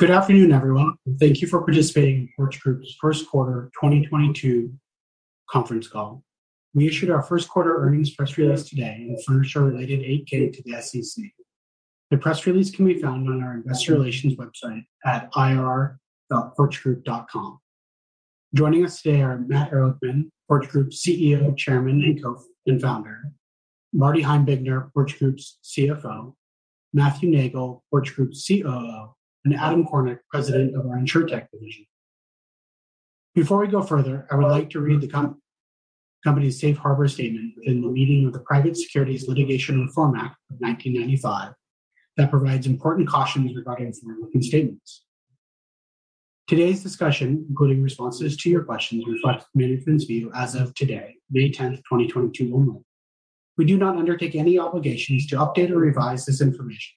Good afternoon, everyone. Thank you for participating in Porch Group's First Quarter 2022 conference call. We issued our first quarter earnings press release today in a furnished in a related 8-K to the SEC. The press release can be found on our investor relations website at ir.porchgroup.com. Joining us today are Matt Ehrlichman, Porch Group's CEO, Chairman, and Founder. Marty Heimbigner, Porch Group's CFO, Matthew Neagle, Porch Group's COO, and Adam Kornick, President of our InsurTech Division. Before we go further, I would like to read the company's safe harbor statement within the meaning of the Private Securities Litigation Reform Act of 1995 that provides important cautions regarding forward-looking statements. Today's discussion, including responses to your questions, reflects management's view as of today, May 10th, 2022 only. We do not undertake any obligations to update or revise this information.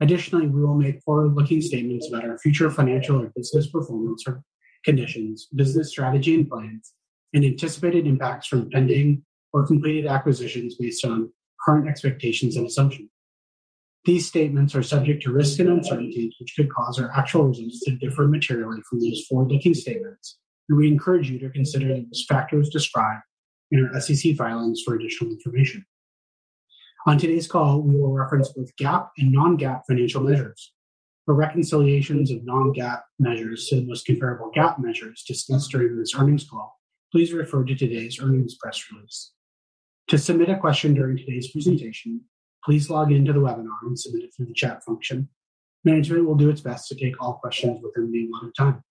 Additionally, we will make forward-looking statements about our future financial or business performance or conditions, business strategy and plans, and anticipated impacts from pending or completed acquisitions based on current expectations and assumptions. These statements are subject to risks and uncertainties which could cause our actual results to differ materially from these forward-looking statements, and we encourage you to consider the risk factors described in our SEC filings for additional information. On today's call, we will reference both GAAP and non-GAAP financial measures. For reconciliations of non-GAAP measures to the most comparable GAAP measures discussed during this earnings call, please refer to today's earnings press release. To submit a question during today's presentation, please log in to the webinar and submit it through the chat function. Management will do its best to take all questions within the allotted time.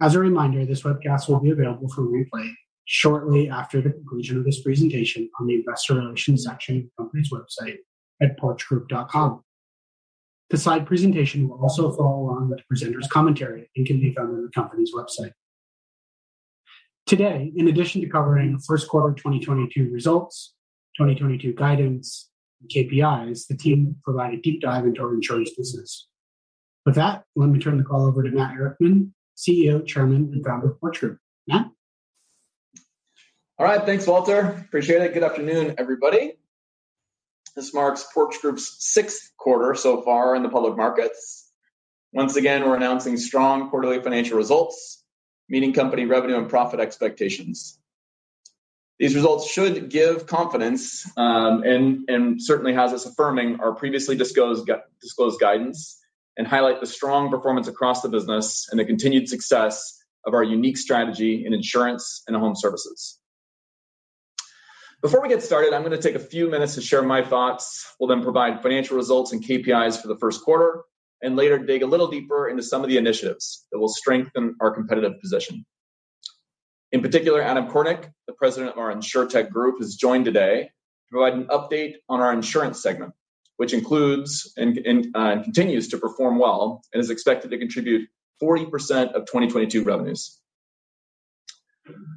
As a reminder, this webcast will be available for replay shortly after the conclusion of this presentation on the investor relations section of the company's website at porchgroup.com. The Slide presentation will also follow along with the presenters' commentary and can be found on the company's website. Today, in addition to covering first quarter 2022 results, 2022 guidance, and KPIs, the Team will provide a deep dive into our Insurance business. With that, let me turn the call over to Matt Ehrlichman, CEO, Chairman, and Founder of Porch Group. Matt? All right. Thanks, Walter. Appreciate it. Good afternoon, everybody. This marks Porch Group's sixth quarter so far in the public markets. Once again, we're announcing strong quarterly financial results, meeting company revenue and profit expectations. These results should give confidence and certainly has us affirming our previously disclosed guidance and highlight the strong performance across the business and the continued success of our unique strategy in insurance and home services. Before we get started, I'm gonna take a few minutes to share my thoughts. We'll then provide financial results and KPIs for the first quarter, and later dig a little deeper into some of the initiatives that will strengthen our competitive position. In particular, Adam Kornick, the President of our InsurTech Group, has joined today to provide an update on our insurance segment, which continues to perform well and is expected to contribute 40% of 2022 revenues.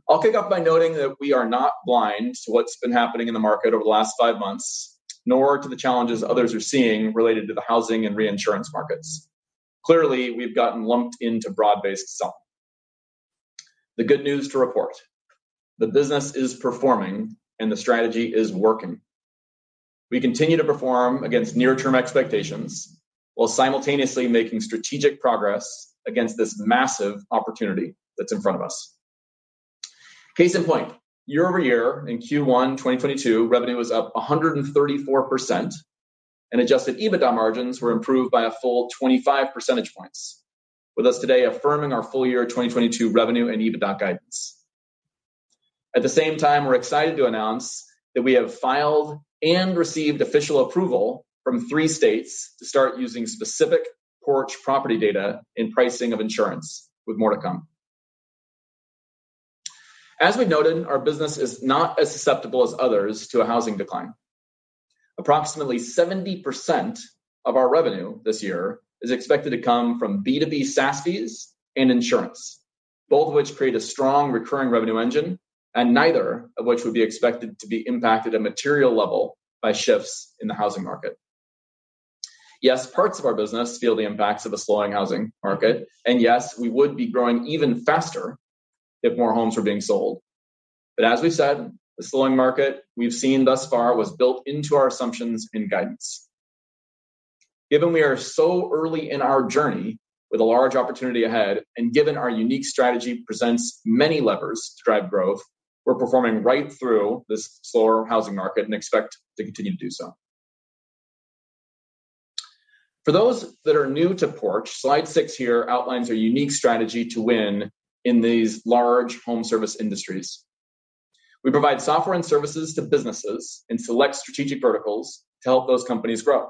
I'll kick off by noting that we are not blind to what's been happening in the market over the last five months, nor to the challenges others are seeing related to the housing and reinsurance markets. Clearly, we've gotten lumped into broad-based selling. The good news to report, the business is performing and the strategy is working. We continue to perform against near-term expectations while simultaneously making strategic progress against this massive opportunity that's in front of us. Case in point, year-over-year in Q1 2022, revenue was up 134% and adjusted EBITDA margins were improved by a full 25 percentage points. With us today affirming our full year 2022 revenue and EBITDA guidance. At the same time, we're excited to announce that we have filed and received official approval from three states to start using specific Porch property data in pricing of insurance with more to come. As we noted, our business is not as susceptible as others to a housing decline. Approximately 70% of our revenue this year is expected to come from B2B SaaS fees and insurance, both of which create a strong recurring revenue engine and neither of which would be expected to be impacted at material level by shifts in the housing market. Yes, parts of our business feel the impacts of a slowing housing market, and yes, we would be growing even faster if more homes were being sold. As we've said, the slowing market we've seen thus far was built into our assumptions and guidance. Given we are so early in our journey with a large opportunity ahead, and given our unique strategy presents many levers to drive growth, we're performing right through this slower housing market and expect to continue to do so. For those that are new to Porch, Slide 6, here outlines our unique strategy to win in these large home service industries. We provide software and services to businesses in select strategic verticals to help those companies grow.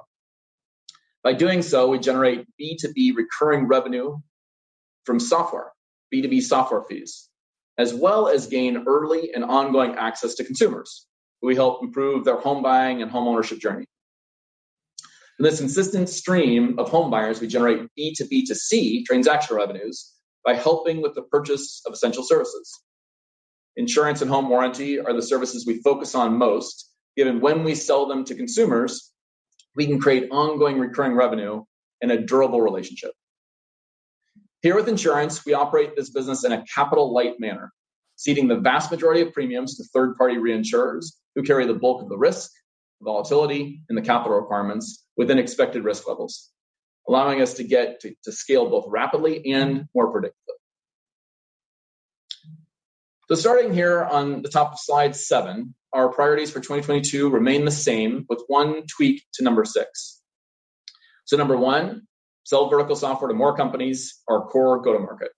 By doing so, we generate B2B recurring revenue from software, B2B software fees, as well as gain early and ongoing access to consumers who we help improve their home buying and homeownership journey. In this consistent stream of home buyers, we generate B2B2C transaction revenues by helping with the purchase of essential services. Insurance and home warranty are the services we focus on most, given when we sell them to consumers, we can create ongoing recurring revenue and a durable relationship. Here with insurance, we operate this business in a capital-light manner, ceding the vast majority of premiums to third-party reinsurers who carry the bulk of the risk, the volatility, and the capital requirements within expected risk levels, allowing us to get to scale both rapidly and more predictably. Starting here on the top of Slide 7, our priorities for 2022 remain the same with one tweak to number six. Number one, sell vertical software to more companies, our core go-to-market.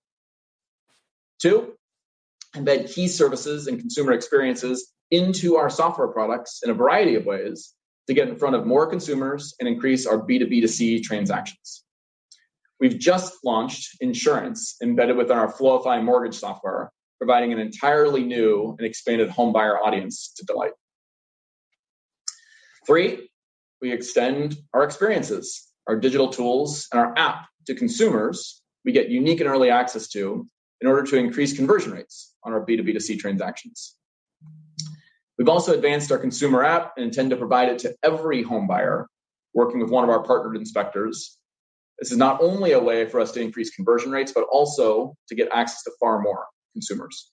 Two, embed key services and consumer experiences into our software products in a variety of ways to get in front of more consumers and increase our B2B2C transactions. We've just launched insurance embedded within our Floify mortgage software, providing an entirely new and expanded homebuyer audience to delight. Three, we extend our experiences, our digital tools, and our app to consumers we get unique and early access to in order to increase conversion rates on our B2B2C transactions. We've also advanced our consumer app and intend to provide it to every homebuyer working with one of our partnered inspectors. This is not only a way for us to increase conversion rates, but also to get access to far more consumers.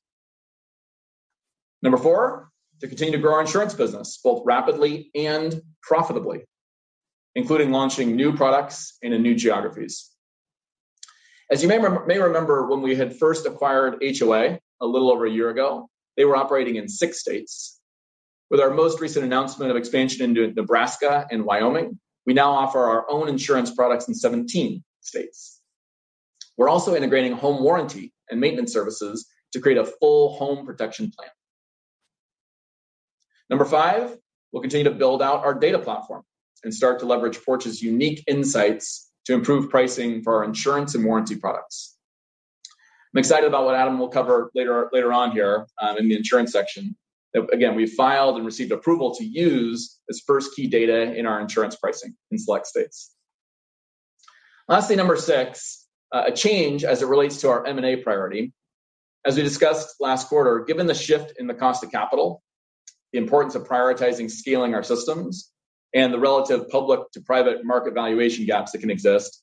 Four, to continue to grow our insurance business, both rapidly and profitably, including launching new products into new geographies. As you may remember when we had first acquired HOA a little over a year ago, they were operating in six states. With our most recent announcement of expansion into Nebraska and Wyoming, we now offer our own insurance products in 17 states. We're also integrating home warranty and maintenance services to create a full home protection plan. Number five, we'll continue to build out our data platform and start to leverage Porch's unique insights to improve pricing for our insurance and warranty products. I'm excited about what Adam will cover later on here in the insurance section, that again, we filed and received approval to use this first key data in our insurance pricing in select states. Lastly, number six, a change as it relates to our M&A priority. As we discussed last quarter, given the shift in the cost of capital, the importance of prioritizing scaling our systems, and the relative public to private market valuation gaps that can exist,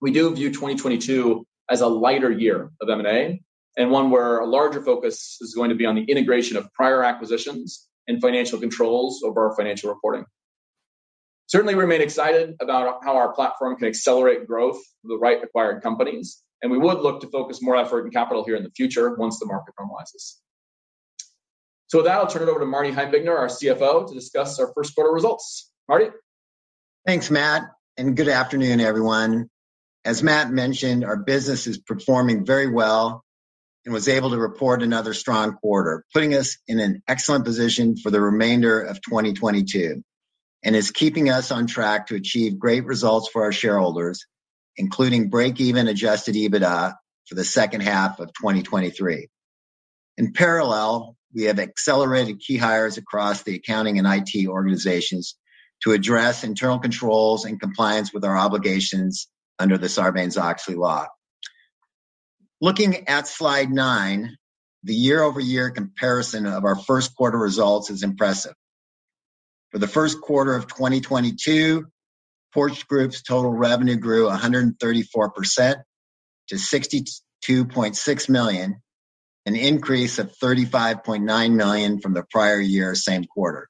we do view 2022 as a lighter year of M&A and one where a larger focus is going to be on the integration of prior acquisitions and financial controls over our financial reporting. Certainly, we remain excited about how our platform can accelerate growth for the right acquired companies, and we would look to focus more effort and capital here in the future once the market normalizes. With that, I'll turn it over to Marty Heimbigner, our CFO, to discuss our first quarter results. Marty? Thanks, Matt, and good afternoon, everyone. As Matt mentioned, our business is performing very well and was able to report another strong quarter, putting us in an excellent position for the remainder of 2022, and is keeping us on track to achieve great results for our shareholders, including break-even adjusted EBITDA for the second half of 2023. In parallel, we have accelerated key hires across the accounting and IT organizations to address internal controls and compliance with our obligations under the Sarbanes-Oxley law. Looking at Slide 9, the year-over-year comparison of our first quarter results is impressive. For the first quarter of 2022, Porch Group's total revenue grew 134% to $62.6 million, an increase of $35.9 million from the prior-year same quarter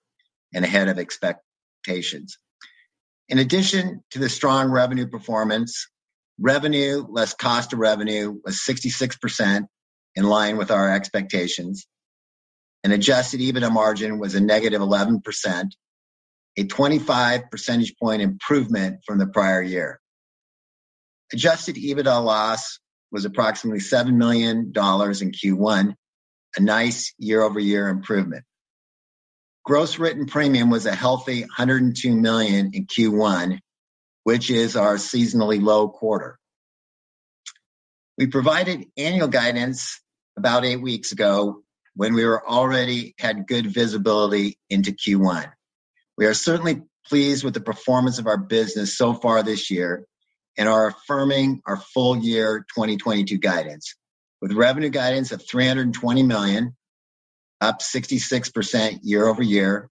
and ahead of expectations. In addition to the strong revenue performance, revenue less cost of revenue was 66% in line with our expectations, and adjusted EBITDA margin was -11%, a 25 percentage point improvement from the prior year. Adjusted EBITDA loss was approximately $7 million in Q1, a nice year-over-year improvement. Gross written premium was a healthy $102 million in Q1, which is our seasonally low quarter. We provided annual guidance about eight weeks ago when we already had good visibility into Q1. We are certainly pleased with the performance of our business so far this year and are affirming our full-year 2022 guidance with revenue guidance of $320 million, up 66% year-over-year,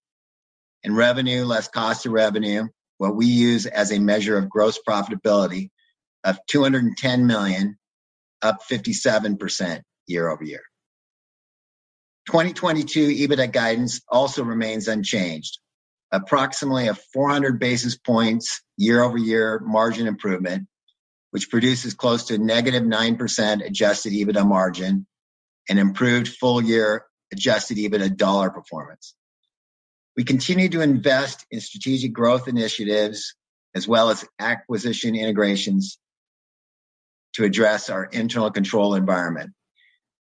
and revenue less cost of revenue, what we use as a measure of gross profitability, of $210 million, up 57% year-over-year. 2022 EBITDA guidance also remains unchanged, approximately a 400 basis points year-over-year margin improvement, which produces close to -9% adjusted EBITDA margin and improved full-year adjusted EBITDA dollar performance. We continue to invest in strategic growth initiatives as well as acquisition integrations to address our internal control environment.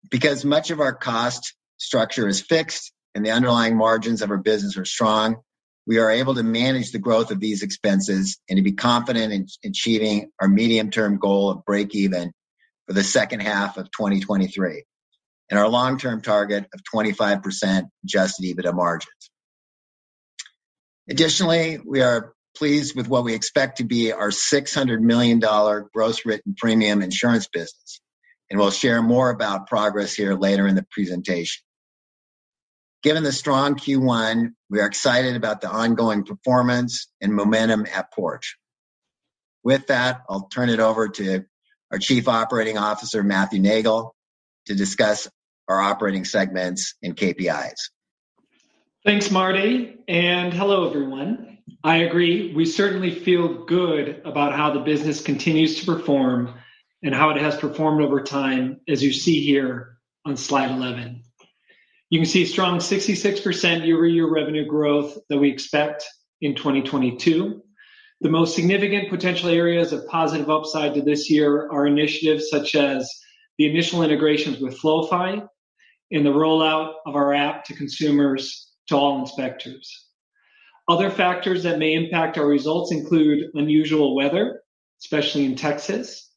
Because much of our cost structure is fixed and the underlying margins of our business are strong, we are able to manage the growth of these expenses and to be confident in achieving our medium-term goal of break even for the second half of 2023 and our long-term target of 25% adjusted EBITDA margins. Additionally, we are pleased with what we expect to be our $600 million gross written premium insurance business, and we'll share more about progress here later in the presentation. Given the strong Q1, we are excited about the ongoing performance and momentum at Porch. With that, I'll turn it over to our Chief Operating Officer, Matthew Neagle, to discuss our operating segments and KPIs. Thanks, Marty, and hello, everyone. I agree, we certainly feel good about how the business continues to perform and how it has performed over time, as you see here on Slide 11. You can see strong 66% year-over-year revenue growth that we expect in 2022. The most significant potential areas of positive upside to this year are initiatives such as the initial integrations with Floify and the rollout of our app to consumers to all inspectors. Other factors that may impact our results include unusual weather, especially in Texas,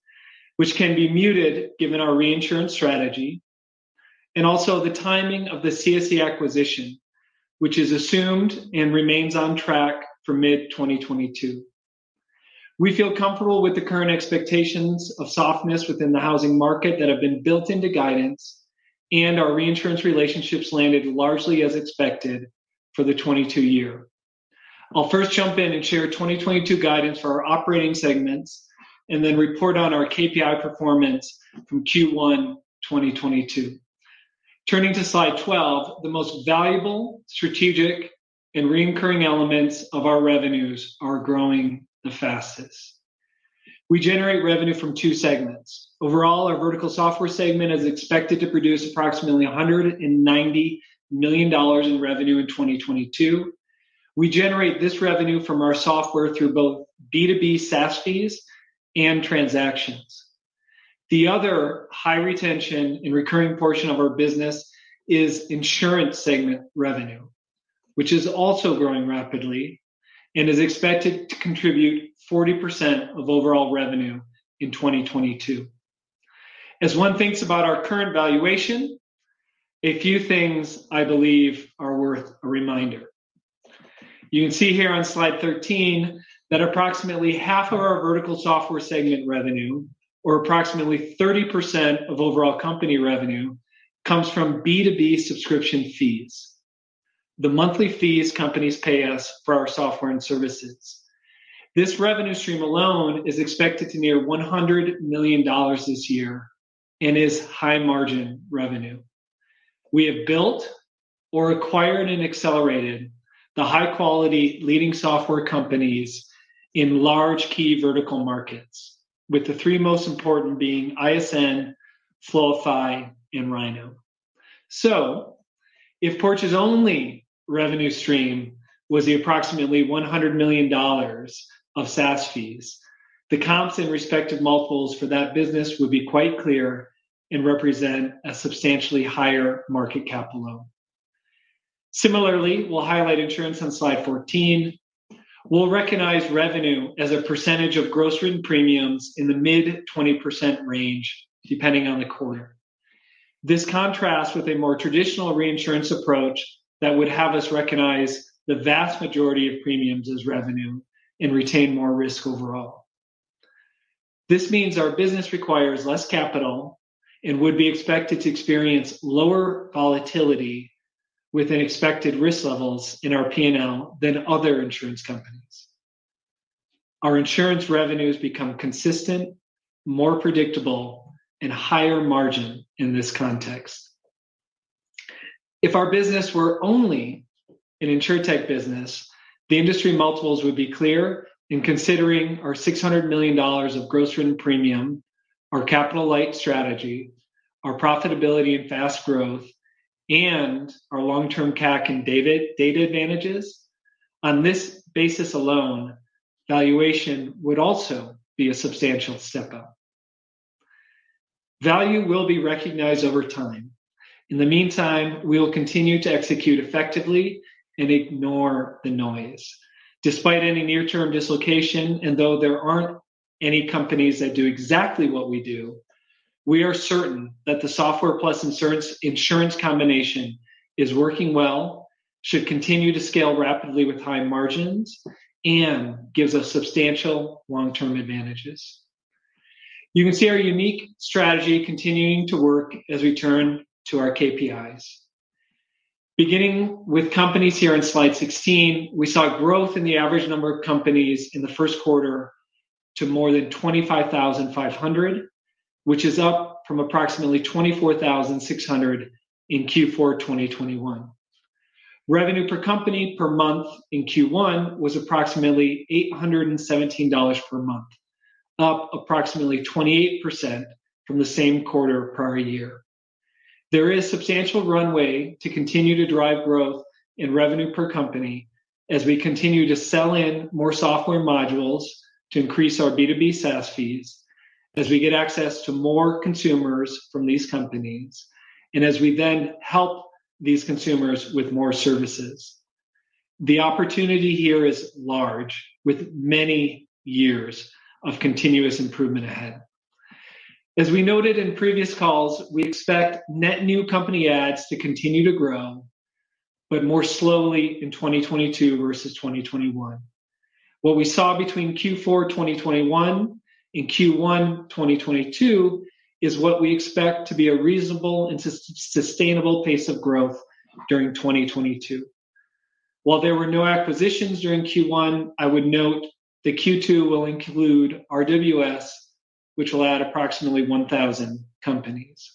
which can be muted given our reinsurance strategy, and also the timing of the CSE acquisition, which is assumed and remains on track for mid-2022. We feel comfortable with the current expectations of softness within the housing market that have been built into guidance and our reinsurance relationships landed largely as expected for the 2022 year. I'll first jump in and share 2022 guidance for our operating segments and then report on our KPI performance from Q1 2022. Turning to Slide 12, the most valuable, strategic, and recurring elements of our revenues are growing the fastest. We generate revenue from two segments. Overall, our vertical software segment is expected to produce approximately $190 million in revenue in 2022. We generate this revenue from our software through both B2B SaaS fees and transactions. The other high retention and recurring portion of our business is insurance segment revenue, which is also growing rapidly and is expected to contribute 40% of overall revenue in 2022. As one thinks about our current valuation, a few things I believe are worth a reminder. You can see here on Slide 13 that approximately half of our vertical software segment revenue or approximately 30% of overall company revenue comes from B2B subscription fees, the monthly fees companies pay us for our software and services. This revenue stream alone is expected to near $100 million this year and is high-margin revenue. We have built or acquired and accelerated the high-quality leading software companies in large key vertical markets, with the three most important being ISN, Floify, and Rhino. If Porch's only revenue stream was the approximately $100 million of SaaS fees, the comps and respective multiples for that business would be quite clear and represent a substantially higher market cap alone. Similarly, we'll highlight insurance on Slide 14. We'll recognize revenue as a percentage of gross written premiums in the mid-20% range, depending on the quarter. This contrasts with a more traditional reinsurance approach that would have us recognize the vast majority of premiums as revenue and retain more risk overall. This means our business requires less capital and would be expected to experience lower volatility with unexpected risk levels in our P&L than other insurance companies. Our insurance revenues become consistent, more predictable, and higher margin in this context. If our business were only an InsurTech business, the industry multiples would be clear in considering our $600 million of gross written premium, our capital-light strategy, our profitability and fast growth, and our long-term CAC and data advantages. On this basis alone, valuation would also be a substantial step-up. Value will be recognized over time. In the meantime, we will continue to execute effectively and ignore the noise. Despite any near-term dislocation, and though there aren't any companies that do exactly what we do, we are certain that the software plus insurance combination is working well, should continue to scale rapidly with high margins, and gives us substantial long-term advantages. You can see our unique strategy continuing to work as we turn to our KPIs. Beginning with companies here in Slide 16, we saw growth in the average number of companies in the first quarter to more than 25,500, which is up from approximately 24,600 in Q4 2021. Revenue per company per month in Q1 was approximately $817 per month, up approximately 28% from the same quarter prior year. There is substantial runway to continue to drive growth in revenue per company as we continue to sell in more software modules to increase our B2B SaaS fees, as we get access to more consumers from these companies, and as we then help these consumers with more services. The opportunity here is large, with many years of continuous improvement ahead. As we noted in previous calls, we expect net new company ads to continue to grow, but more slowly in 2022 versus 2021. What we saw between Q4 2021 and Q1 2022 is what we expect to be a reasonable and sustainable pace of growth during 2022. While there were no acquisitions during Q1, I would note that Q2 will include RWS, which will add approximately 1,000 companies.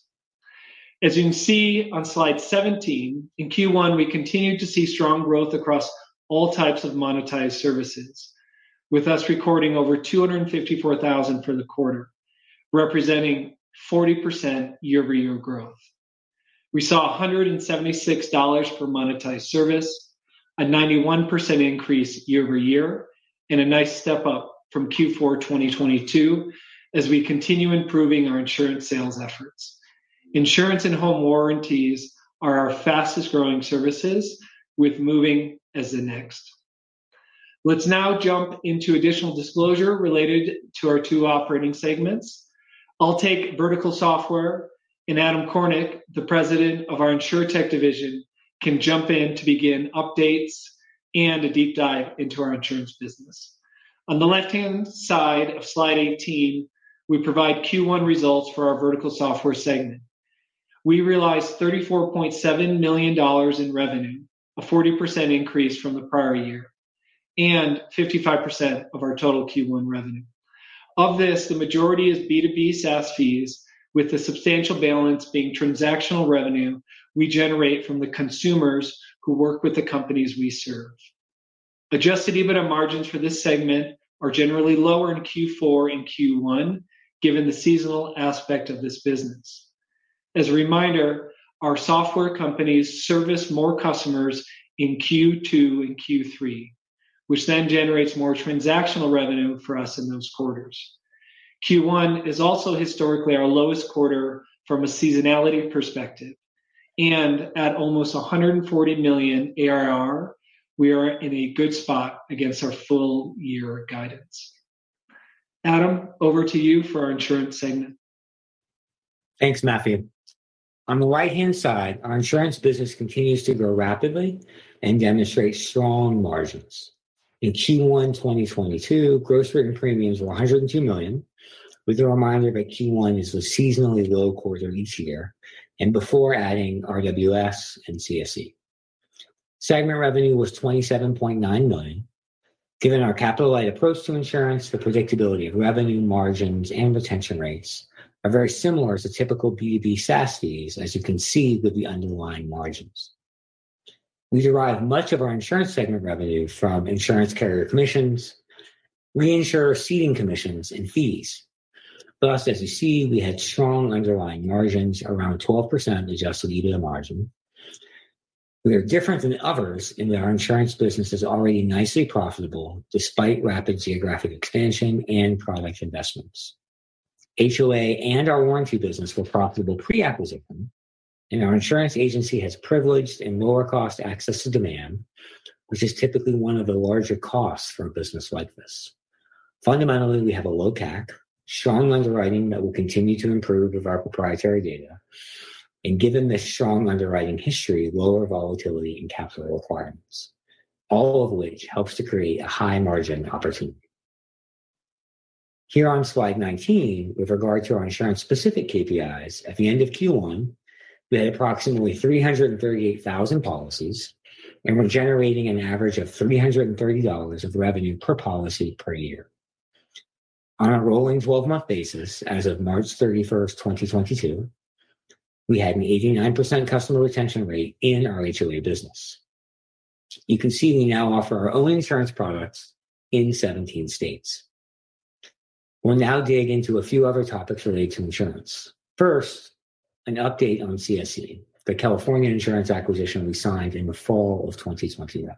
As you can see on Slide 17, in Q1, we continued to see strong growth across all types of monetized services, with us recording over 254,000 for the quarter, representing 40% year-over-year growth. We saw $176 per monetized service, a 91% increase year-over-year and a nice step up from Q4 2022 as we continue improving our insurance sales efforts. Insurance and home warranties are our fastest-growing services with moving as the next. Let's now jump into additional disclosure related to our two operating segments. I'll take vertical software and Adam Kornick, the president of our InsurTech division, can jump in to begin updates and a deep dive into our insurance business. On the left-hand side of Slide 18, we provide Q1 results for our vertical software segment. We realized $34.7 million in revenue, a 40% increase from the prior year, and 55% of our total Q1 revenue. Of this, the majority is B2B SaaS fees, with a substantial balance being transactional revenue we generate from the consumers who work with the companies we serve. Adjusted EBITDA margins for this segment are generally lower in Q4 and Q1, given the seasonal aspect of this business. As a reminder, our software companies service more customers in Q2 and Q3, which then generates more transactional revenue for us in those quarters. Q1 is also historically our lowest quarter from a seasonality perspective, and at almost 140 million ARR, we are in a good spot against our full year guidance. Adam, over to you for our insurance segment. Thanks, Matthew. On the right-hand side, our insurance business continues to grow rapidly and demonstrate strong margins. In Q1 2022, gross written premiums were $102 million, with a reminder that Q1 is a seasonally low quarter each year and before adding RWS and CSE. Segment revenue was $27.9 million. Given our capital-light approach to insurance, the predictability of revenue margins and retention rates are very similar to typical B2B SaaS fees, as you can see with the underlying margins. We derive much of our insurance segment revenue from insurance carrier commissions, reinsurer ceding commissions and fees. Thus, as you see, we had strong underlying margins around 12% adjusted EBITDA margin. We are different than others in that our insurance business is already nicely profitable despite rapid geographic expansion and product investments. HOA and our warranty business were profitable pre-acquisition, and our insurance agency has privileged and lower cost access to demand, which is typically one of the larger costs for a business like this. Fundamentally, we have a low CAC, strong underwriting that will continue to improve with our proprietary data, and given the strong underwriting history, lower volatility and capital requirements, all of which helps to create a high margin opportunity. Here on Slide 19, with regard to our insurance specific KPIs, at the end of Q1, we had approximately 338,000 policies, and we're generating an average of $330 of revenue per policy per year. On a rolling 12-month basis, as of March 31st, 2022, we had an 89% customer retention rate in our HOA business. You can see we now offer our own insurance products in 17 states. We'll now dig into a few other topics related to insurance. First, an update on CSE, the California insurance acquisition we signed in the fall of 2021.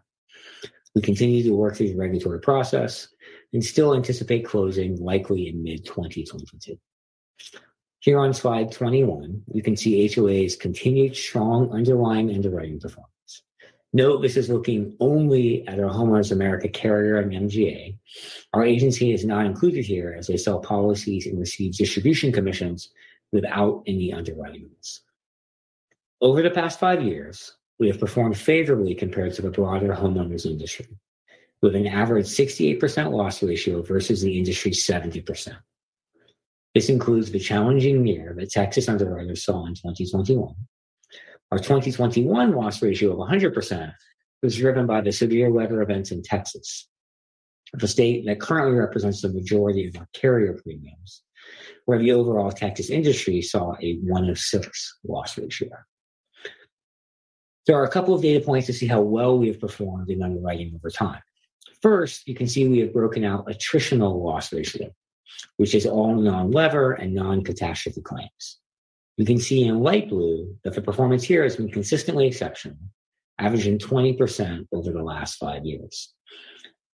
We continue to work through the regulatory process and still anticipate closing likely in mid-2022. Here on Slide 21, you can see HOA's continued strong underlying underwriting performance. Note this is looking only at our Homeowners of America carrier MGA. Our agency is not included here as they sell policies and receive distribution commissions without any underwriting risks. Over the past five years, we have performed favorably compared to the broader homeowners industry, with an average 68% loss ratio versus the industry 70%. This includes the challenging year the Texas underwriter saw in 2021. Our 2021 loss ratio of 100% was driven by the severe weather events in Texas, the state that currently represents the majority of our carrier premiums, where the overall Texas industry saw a 106% loss ratio. There are a couple of data points to see how well we have performed in underwriting over time. First, you can see we have broken out attritional loss ratio, which is all non-weather and non-catastrophe claims. You can see in light blue that the performance here has been consistently exceptional, averaging 20% over the last five years.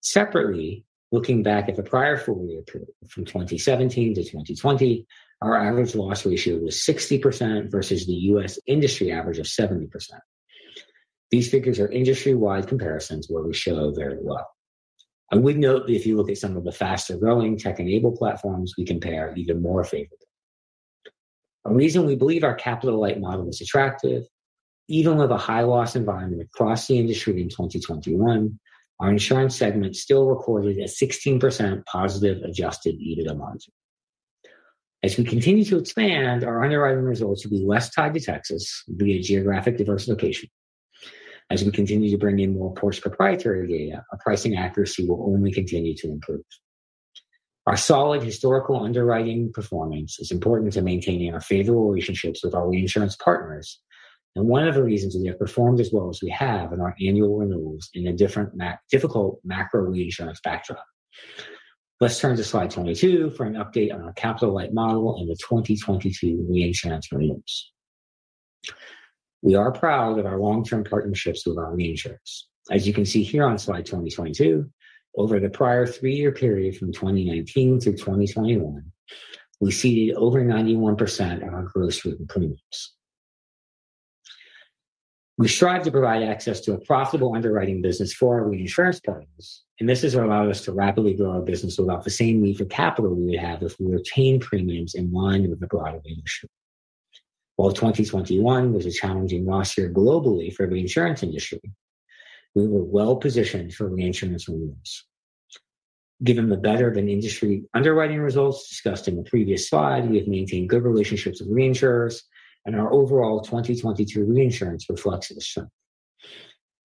Separately, looking back at the prior full year from 2017-2020, our average loss ratio was 60% versus the U.S. industry average of 70%. These figures are industry-wide comparisons where we show very well. I would note that if you look at some of the faster-growing tech-enabled platforms, we compare even more favorably. A reason we believe our capital light model is attractive, even with a high loss environment across the industry in 2021, our insurance segment still recorded a 16% positive adjusted EBITDA margin. As we continue to expand, our underwriting results will be less tied to Texas via geographic diversification. As we continue to bring in more Porch proprietary data, our pricing accuracy will only continue to improve. Our solid historical underwriting performance is important to maintaining our favorable relationships with our reinsurance partners, and one of the reasons we have performed as well as we have in our annual renewals in a difficult macro reinsurance backdrop. Let's turn to Slide 22 for an update on our capital light model and the 2022 reinsurance renewals. We are proud of our long-term partnerships with our reinsurers. As you can see here on Slide 22, over the prior three-year period from 2019 through 2021, we see over 91% of our gross written premiums. We strive to provide access to a profitable underwriting business for our reinsurance partners, and this has allowed us to rapidly grow our business without the same need for capital we would have if we retained premiums in line with the broader industry. While 2021 was a challenging loss year globally for the reinsurance industry, we were well positioned for reinsurance renewals. Given the better than industry underwriting results discussed in the previous slide, we have maintained good relationships with reinsurers and our overall 2022 reinsurance reflects this strength.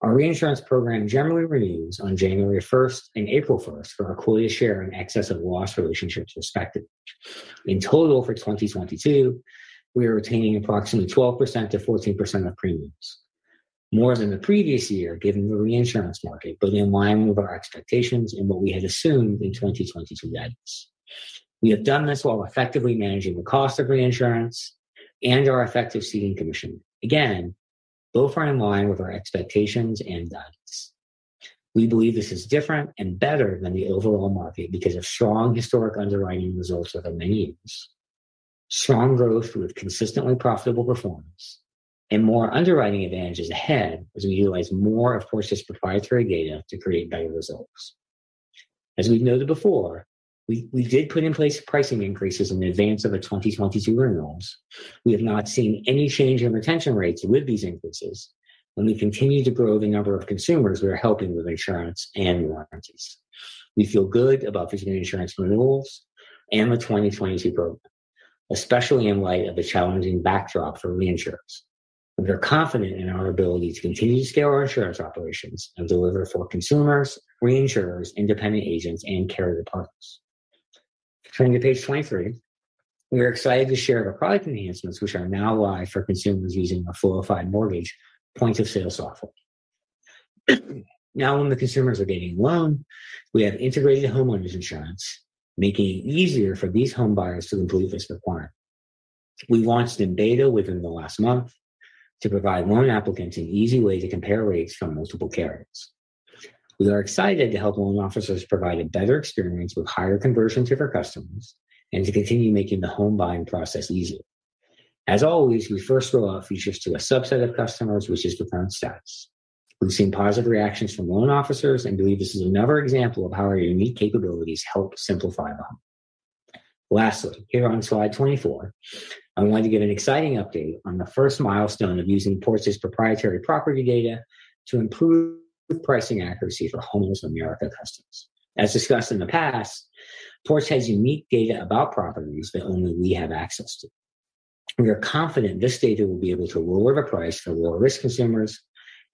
Our reinsurance program generally renews on January 1st and April 1st for our quarterly share and excess of loss relationships respectively. In total for 2022, we are retaining approximately 12%-14% of premiums. More than the previous year, given the reinsurance market, but in line with our expectations and what we had assumed in 2022 guidance. We have done this while effectively managing the cost of reinsurance and our effective ceding commission. Again, both are in line with our expectations and guidance. We believe this is different and better than the overall market because of strong historic underwriting results over many years. Strong growth with consistently profitable performance and more underwriting advantages ahead as we utilize more of Porch's proprietary data to create better results. As we've noted before, we did put in place pricing increases in advance of the 2022 renewals. We have not seen any change in retention rates with these increases, and we continue to grow the number of consumers we are helping with insurance and warranties. We feel good about these new insurance renewals and the 2022 program, especially in light of the challenging backdrop for reinsurers. We are confident in our ability to continue to scale our insurance operations and deliver for consumers, reinsurers, independent agents and carrier partners. Turning to page 23. We are excited to share our product enhancements which are now live for consumers using our Floify mortgage point-of-sale software. Now when the consumers are getting a loan, we have integrated homeowners insurance, making it easier for these home buyers to fulfill this requirement. We launched in beta within the last month to provide loan applicants an easy way to compare rates from multiple carriers. We are excited to help loan officers provide a better experience with higher conversion to their customers and to continue making the home buying process easier. As always, we first roll out features to a subset of customers, which is to find stats. We've seen positive reactions from loan officers and believe this is another example of how our unique capabilities help simplify loans. Lastly, here on Slide 24, I wanted to give an exciting update on the first milestone of using Porch's proprietary property data to improve pricing accuracy for Homeowners of America customers. As discussed in the past, Porch has unique data about properties that only we have access to. We are confident this data will be able to lower the price for lower risk consumers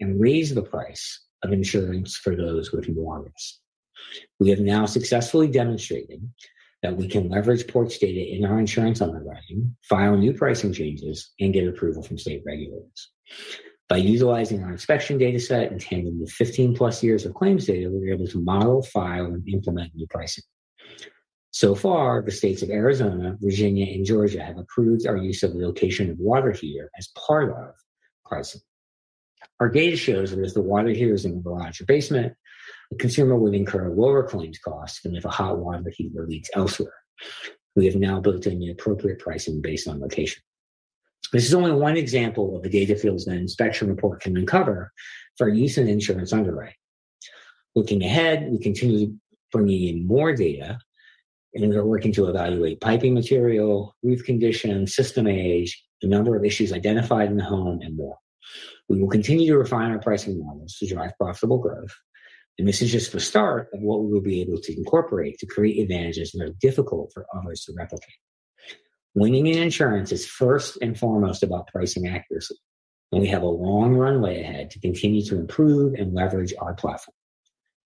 and raise the price of insurance for those with more risk. We have now successfully demonstrated that we can leverage Porch data in our insurance underwriting, file new pricing changes, and get approval from state regulators. By utilizing our inspection data set in tandem with 15+ years of claims data, we were able to model, file, and implement new pricing. So far, the states of Arizona, Virginia, and Georgia have approved our use of the location of water heater as part of pricing. Our data shows that if the water heater is in the garage or basement, the consumer would incur lower claims costs than if a hot water heater leaks elsewhere. We have now built in the appropriate pricing based on location. This is only one example of the data fields that an inspection report can uncover for use in insurance underwriting. Looking ahead, we continue bringing in more data, and we're working to evaluate piping material, roof condition, system age, the number of issues identified in the home, and more. We will continue to refine our pricing models to drive profitable growth, and this is just the start of what we will be able to incorporate to create advantages that are difficult for others to replicate. Winning in insurance is first and foremost about pricing accuracy, and we have a long runway ahead to continue to improve and leverage our platform.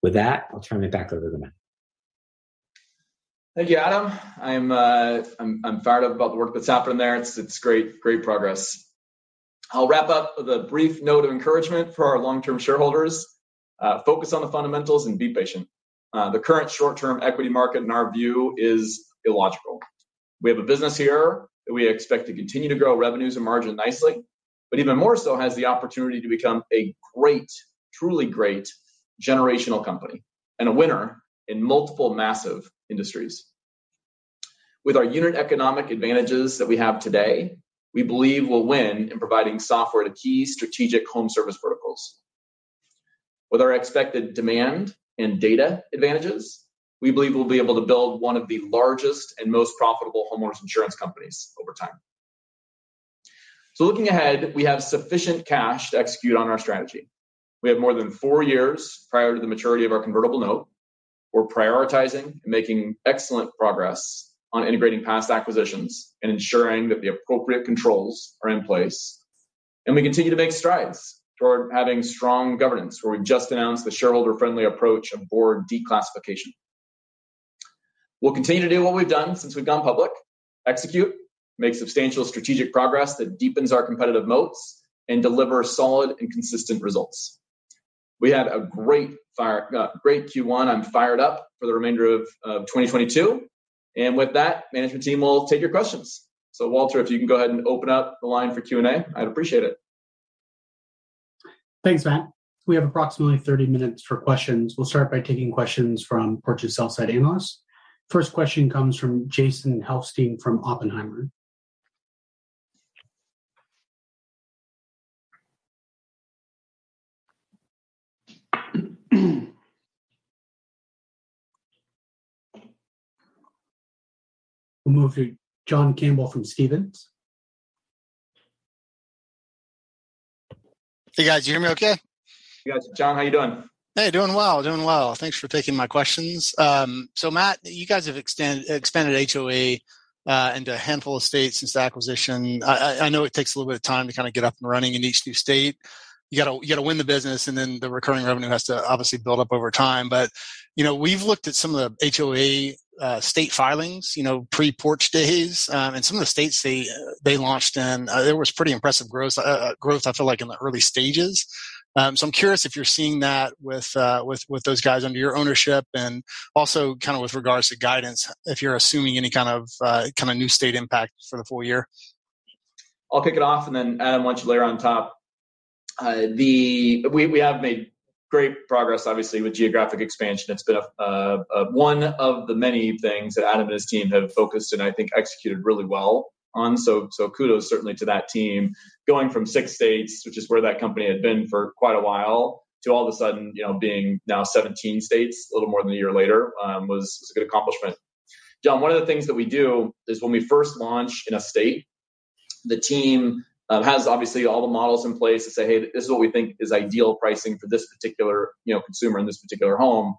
With that, I'll turn it back over to Matt. Thank you, Adam. I'm fired up about the work that's happening there. It's great progress. I'll wrap up with a brief note of encouragement for our long-term shareholders. Focus on the fundamentals and be patient. The current short-term equity market, in our view, is illogical. We have a business here that we expect to continue to grow revenues and margin nicely, but even more so has the opportunity to become a great, truly great generational company and a winner in multiple massive industries. With our unit economic advantages that we have today, we believe we'll win in providing software to key strategic home service verticals. With our expected demand and data advantages, we believe we'll be able to build one of the largest and most profitable homeowners insurance companies over time. Looking ahead, we have sufficient cash to execute on our strategy. We have more than four years prior to the maturity of our convertible note. We're prioritizing and making excellent progress on integrating past acquisitions and ensuring that the appropriate controls are in place, and we continue to make strides toward having strong governance, where we just announced the shareholder-friendly approach of board declassification. We'll continue to do what we've done since we've gone public. Execute, make substantial strategic progress that deepens our competitive moats, and deliver solid and consistent results. We had a great year, great Q1. I'm fired up for the remainder of 2022, and with that, management team will take your questions. Walter, if you can go ahead and open up the line for Q&A, I'd appreciate it. Thanks, Matt. We have approximately 30 minutes for questions. We'll start by taking questions from Porch's sell-side analysts. First question comes from Jason Helfstein from Oppenheimer. We'll move to John Campbell from Stephens. Hey, guys. You hear me okay? Yes. John, how you doing? Hey, doing well, doing well. Thanks for taking my questions. So Matt, you guys have expanded HOA into a handful of states since the acquisition. I know it takes a little bit of time to kind of get up and running in each new state. You gotta win the business, and then the recurring revenue has to obviously build up over time. You know, we've looked at some of the HOA state filings, you know, pre-Porch days, and some of the states they launched in, there was pretty impressive gross growth, I feel like in the early stages. I'm curious if you're seeing that with those guys under your ownership and also kind of with regards to guidance, if you're assuming any kind of new state impact for the full year. I'll kick it off, and then Adam, why don't you layer on top. We have made great progress obviously with geographic expansion. It's been one of the many things that Adam and his team have focused and I think executed really well on, so kudos certainly to that team. Going from six states, which is where that company had been for quite a while, to all of a sudden, you know, being now 17 states a little more than a year later, was a good accomplishment. John, one of the things that we do is when we first launch in a state, the team has obviously all the models in place to say, "Hey, this is what we think is ideal pricing for this particular, you know, consumer in this particular home."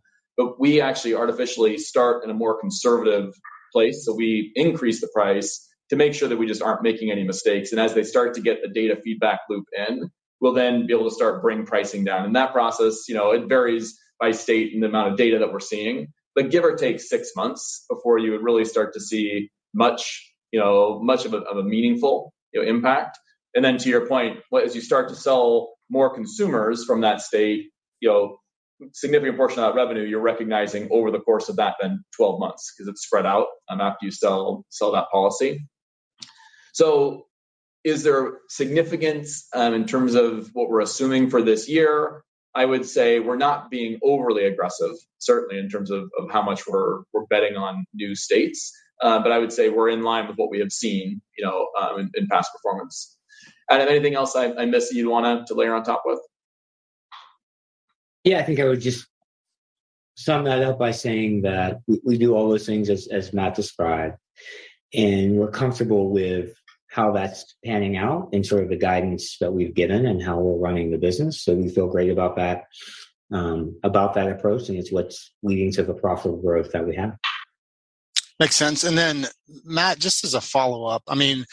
We actually artificially start in a more conservative place. We increase the price to make sure that we just aren't making any mistakes, and as they start to get a data feedback loop in, we'll then be able to start bringing pricing down. That process, you know, it varies by state and the amount of data that we're seeing. Give or take six months before you would really start to see much, you know, of a meaningful, you know, impact. To your point, well, as you start to sell more consumers from that state, you know, significant portion of that revenue you're recognizing over the course of the next 12 months, 'cause it's spread out, after you sell that policy. Is there significance in terms of what we're assuming for this year? I would say we're not being overly aggressive, certainly in terms of how much we're betting on new states. I would say we're in line with what we have seen, you know, in past performance. Adam, anything else I missed that you'd want to layer on top with? Yeah. I think I would just sum that up by saying that we do all those things as Matt described, and we're comfortable with how that's panning out in sort of the guidance that we've given and how we're running the business. We feel great about that, about that approach, and it's what's leading to the profitable growth that we have. Makes sense. Matt, just as a follow-up, I mean,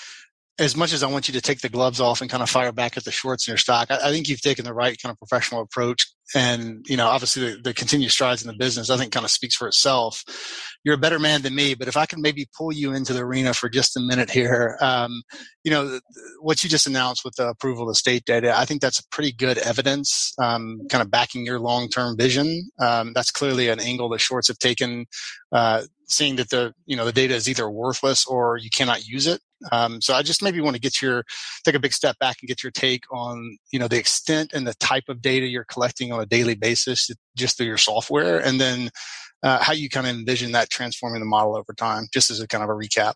as much as I want you to take the gloves off and kind of fire back at the shorts in your stock, I think you've taken the right kind of professional approach, you know, obviously the continued strides in the business I think kinda speaks for itself. You're a better man than me, but if I can maybe pull you into the arena for just a minute here. You know, what you just announced with the approval of state data, I think that's pretty good evidence, kind of backing your long-term vision. That's clearly an angle the shorts have taken, saying that you know, the data is either worthless or you cannot use it. I just maybe wanna get your... Take a big step back and get your take on, you know, the extent and the type of data you're collecting on a daily basis just through your software, and then how you kind of envision that transforming the model over time, just as a kind of a recap?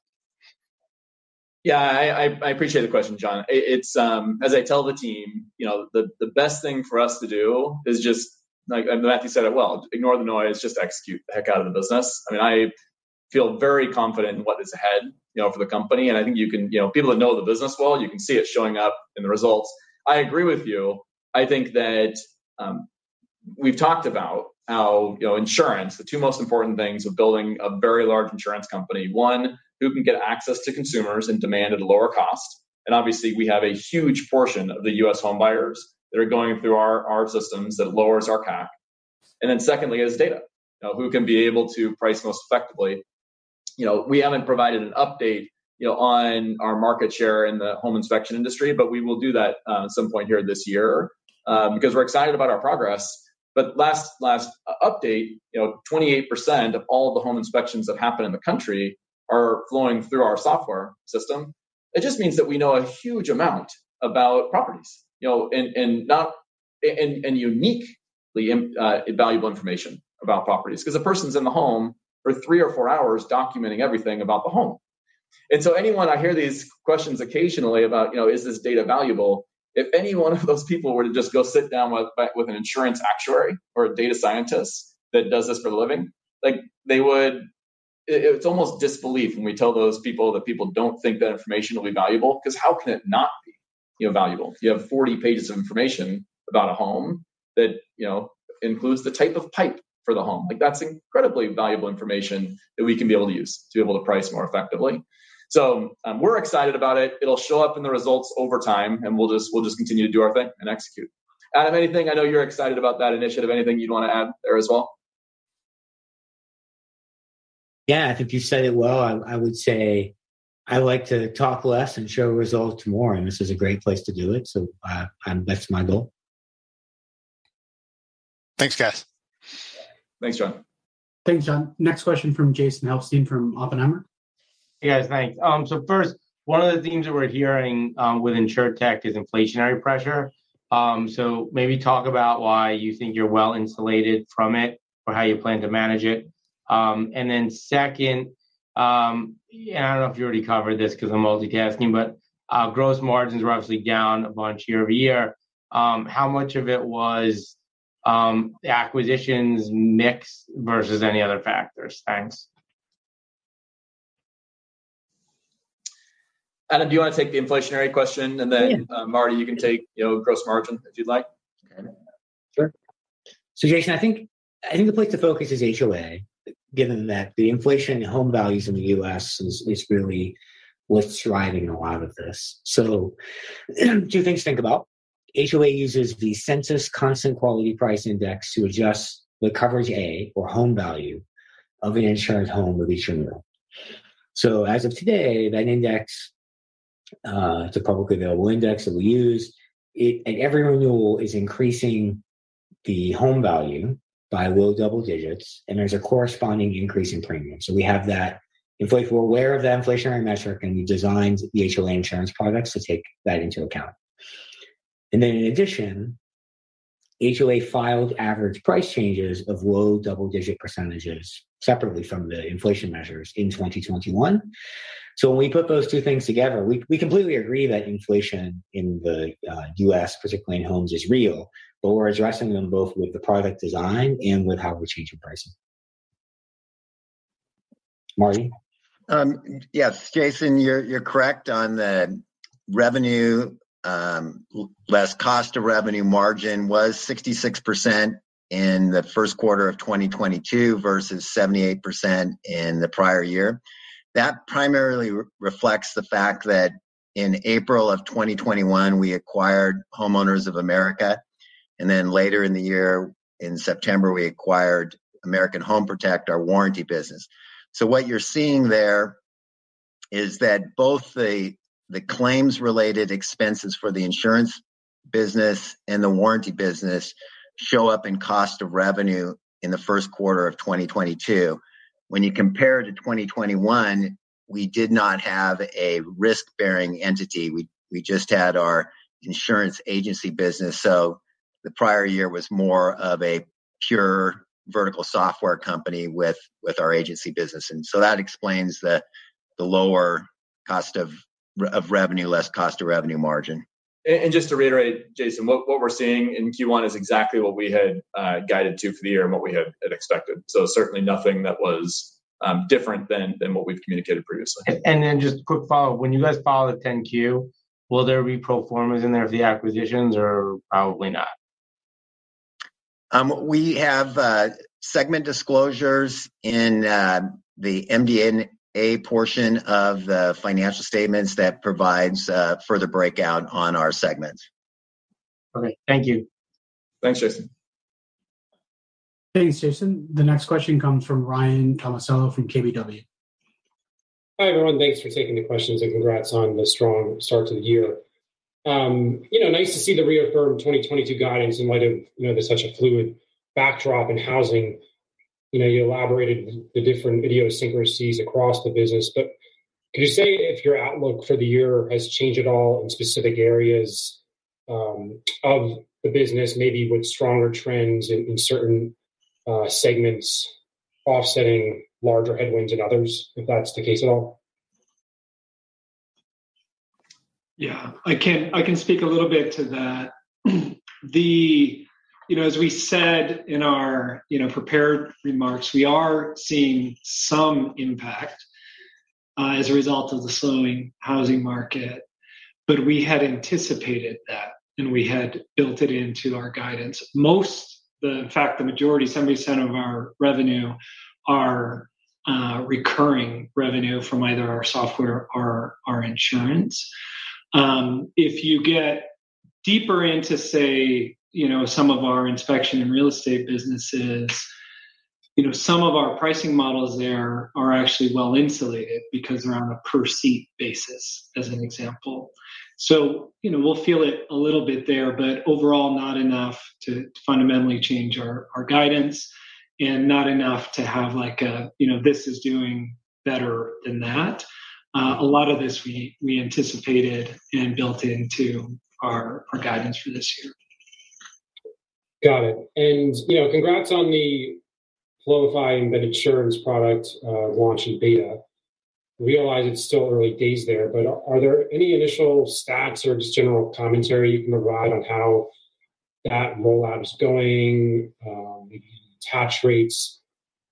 Yeah. I appreciate the question, John. It's... As I tell the team, you know, the best thing for us to do is just, like, Matthew said it well, ignore the noise, just execute the heck out of the business. I mean, I feel very confident in what is ahead, you know, for the company, and I think you can. You know, people that know the business well, you can see it showing up in the results. I agree with you. I think that we've talked about how, you know, insurance, the two most important things of building a very large insurance company. One, who can get access to consumers and demand at a lower cost, and obviously we have a huge portion of the U.S. home buyers that are going through our systems that lowers our CAC. Secondly is data. You know, who can be able to price most effectively. You know, we haven't provided an update, you know, on our market share in the home inspection industry, but we will do that at some point here this year, because we're excited about our progress. But last update, you know, 28% of all the home inspections that happen in the country are flowing through our software system. It just means that we know a huge amount about properties. You know, and uniquely valuable information about properties. 'Cause the person's in the home for three or four hours documenting everything about the home. Anyone, I hear these questions occasionally about, you know, is this data valuable? If any one of those people were to just go sit down with an insurance actuary or a data scientist that does this for a living, like, they would. It's almost disbelief when we tell those people that people don't think that information will be valuable, 'cause how can it not be, you know, valuable? You have 40 pages of information about a home that, you know, includes the type of pipe for the home. Like, that's incredibly valuable information that we can be able to use to be able to price more effectively. We're excited about it. It'll show up in the results over time, and we'll just continue to do our thing and execute. Adam, anything. I know you're excited about that initiative. Anything you'd wanna add there as well? Yeah. I think you said it well. I would say I like to talk less and show results more, and this is a great place to do it, so that's my goal. Thanks, guys. Thanks, John. Thanks, John. Next question from Jason Helfstein from Oppenheimer. Hey, guys. Thanks. First, one of the themes that we're hearing with InsurTech is inflationary pressure. Maybe talk about why you think you're well-insulated from it or how you plan to manage it. Then second, yeah, I don't know if you already covered this 'cause I'm multitasking, but gross margins were obviously down a bunch year-over-year. How much of it was the acquisitions mix versus any other factors? Thanks. Adam, do you wanna take the inflationary question? Yeah. Marty, you can take, you know, gross margin if you'd like. Okay. Sure. Jason, I think the place to focus is HOA, given that the inflation in home values in the U.S. is really what's driving a lot of this. Two things to think about. HOA uses the Census Bureau Constant Quality House Price Index to adjust the Coverage A, or home value, of an insured home with each renewal. As of today, that index, it's a publicly available index that we use. Every renewal is increasing the home value by low double digits, and there's a corresponding increase in premium. We're aware of the inflationary metric, and we designed the HOA insurance products to take that into account. In addition, HOA filed average price changes of low double-digit percentages separately from the inflation measures in 2021. When we put those two things together, we completely agree that inflation in the U.S., particularly in homes, is real, but we're addressing them both with the product design and with how we're changing pricing. Marty? Yes. Jason, you're correct on the revenue less cost of revenue margin was 66% in the first quarter of 2022 versus 78% in the prior year. That primarily reflects the fact that in April of 2021, we acquired Homeowners of America, and then later in the year, in September, we acquired American Home Protect, our warranty business. What you're seeing there is that both the claims-related expenses for the insurance business and the warranty business show up in cost of revenue in the first quarter of 2022. When you compare to 2021, we did not have a risk-bearing entity. We just had our insurance agency business. The prior year was more of a pure vertical software company with our agency business, and so that explains the lower cost of revenue, less cost of revenue margin. Just to reiterate, Jason, what we're seeing in Q1 is exactly what we had guided to for the year and what we had expected. Certainly nothing that was different than what we've communicated previously. Just a quick follow. When you guys file the 10-Q, will there be pro formas in there of the acquisitions or probably not? We have segment disclosures in the MD&A portion of the financial statements that provides further breakout on our segments. Okay, thank you. Thanks, Jason. Thanks, Jason. The next question comes from Ryan Tomasello from KBW. Hi, everyone. Thanks for taking the questions and congrats on the strong start to the year. You know, nice to see the reaffirmed 2022 guidance in light of, you know, there's such a fluid backdrop in housing. You know, you elaborated the different idiosyncrasies across the business. Can you say if your outlook for the year has changed at all in specific areas of the business, maybe with stronger trends in certain segments offsetting larger headwinds than others, if that's the case at all? Yeah. I can speak a little bit to that. You know, as we said in our prepared remarks, we are seeing some impact as a result of the slowing housing market. We had anticipated that, and we had built it into our guidance. In fact, the majority, 70% of our revenue are recurring revenue from either our software or our insurance. If you get deeper into, say, some of our inspection and real estate businesses, some of our pricing models there are actually well-insulated because they're on a per-seat basis, as an example. You know, we'll feel it a little bit there, but overall not enough to fundamentally change our guidance and not enough to have, like, this is doing better than that. A lot of this we anticipated and built into our guidance for this year. Got it. You know, congrats on the Floify embedded insurance product launch in beta. Realize it's still early days there, but are there any initial stats or just general commentary you can provide on how that rollout is going, maybe attach rates,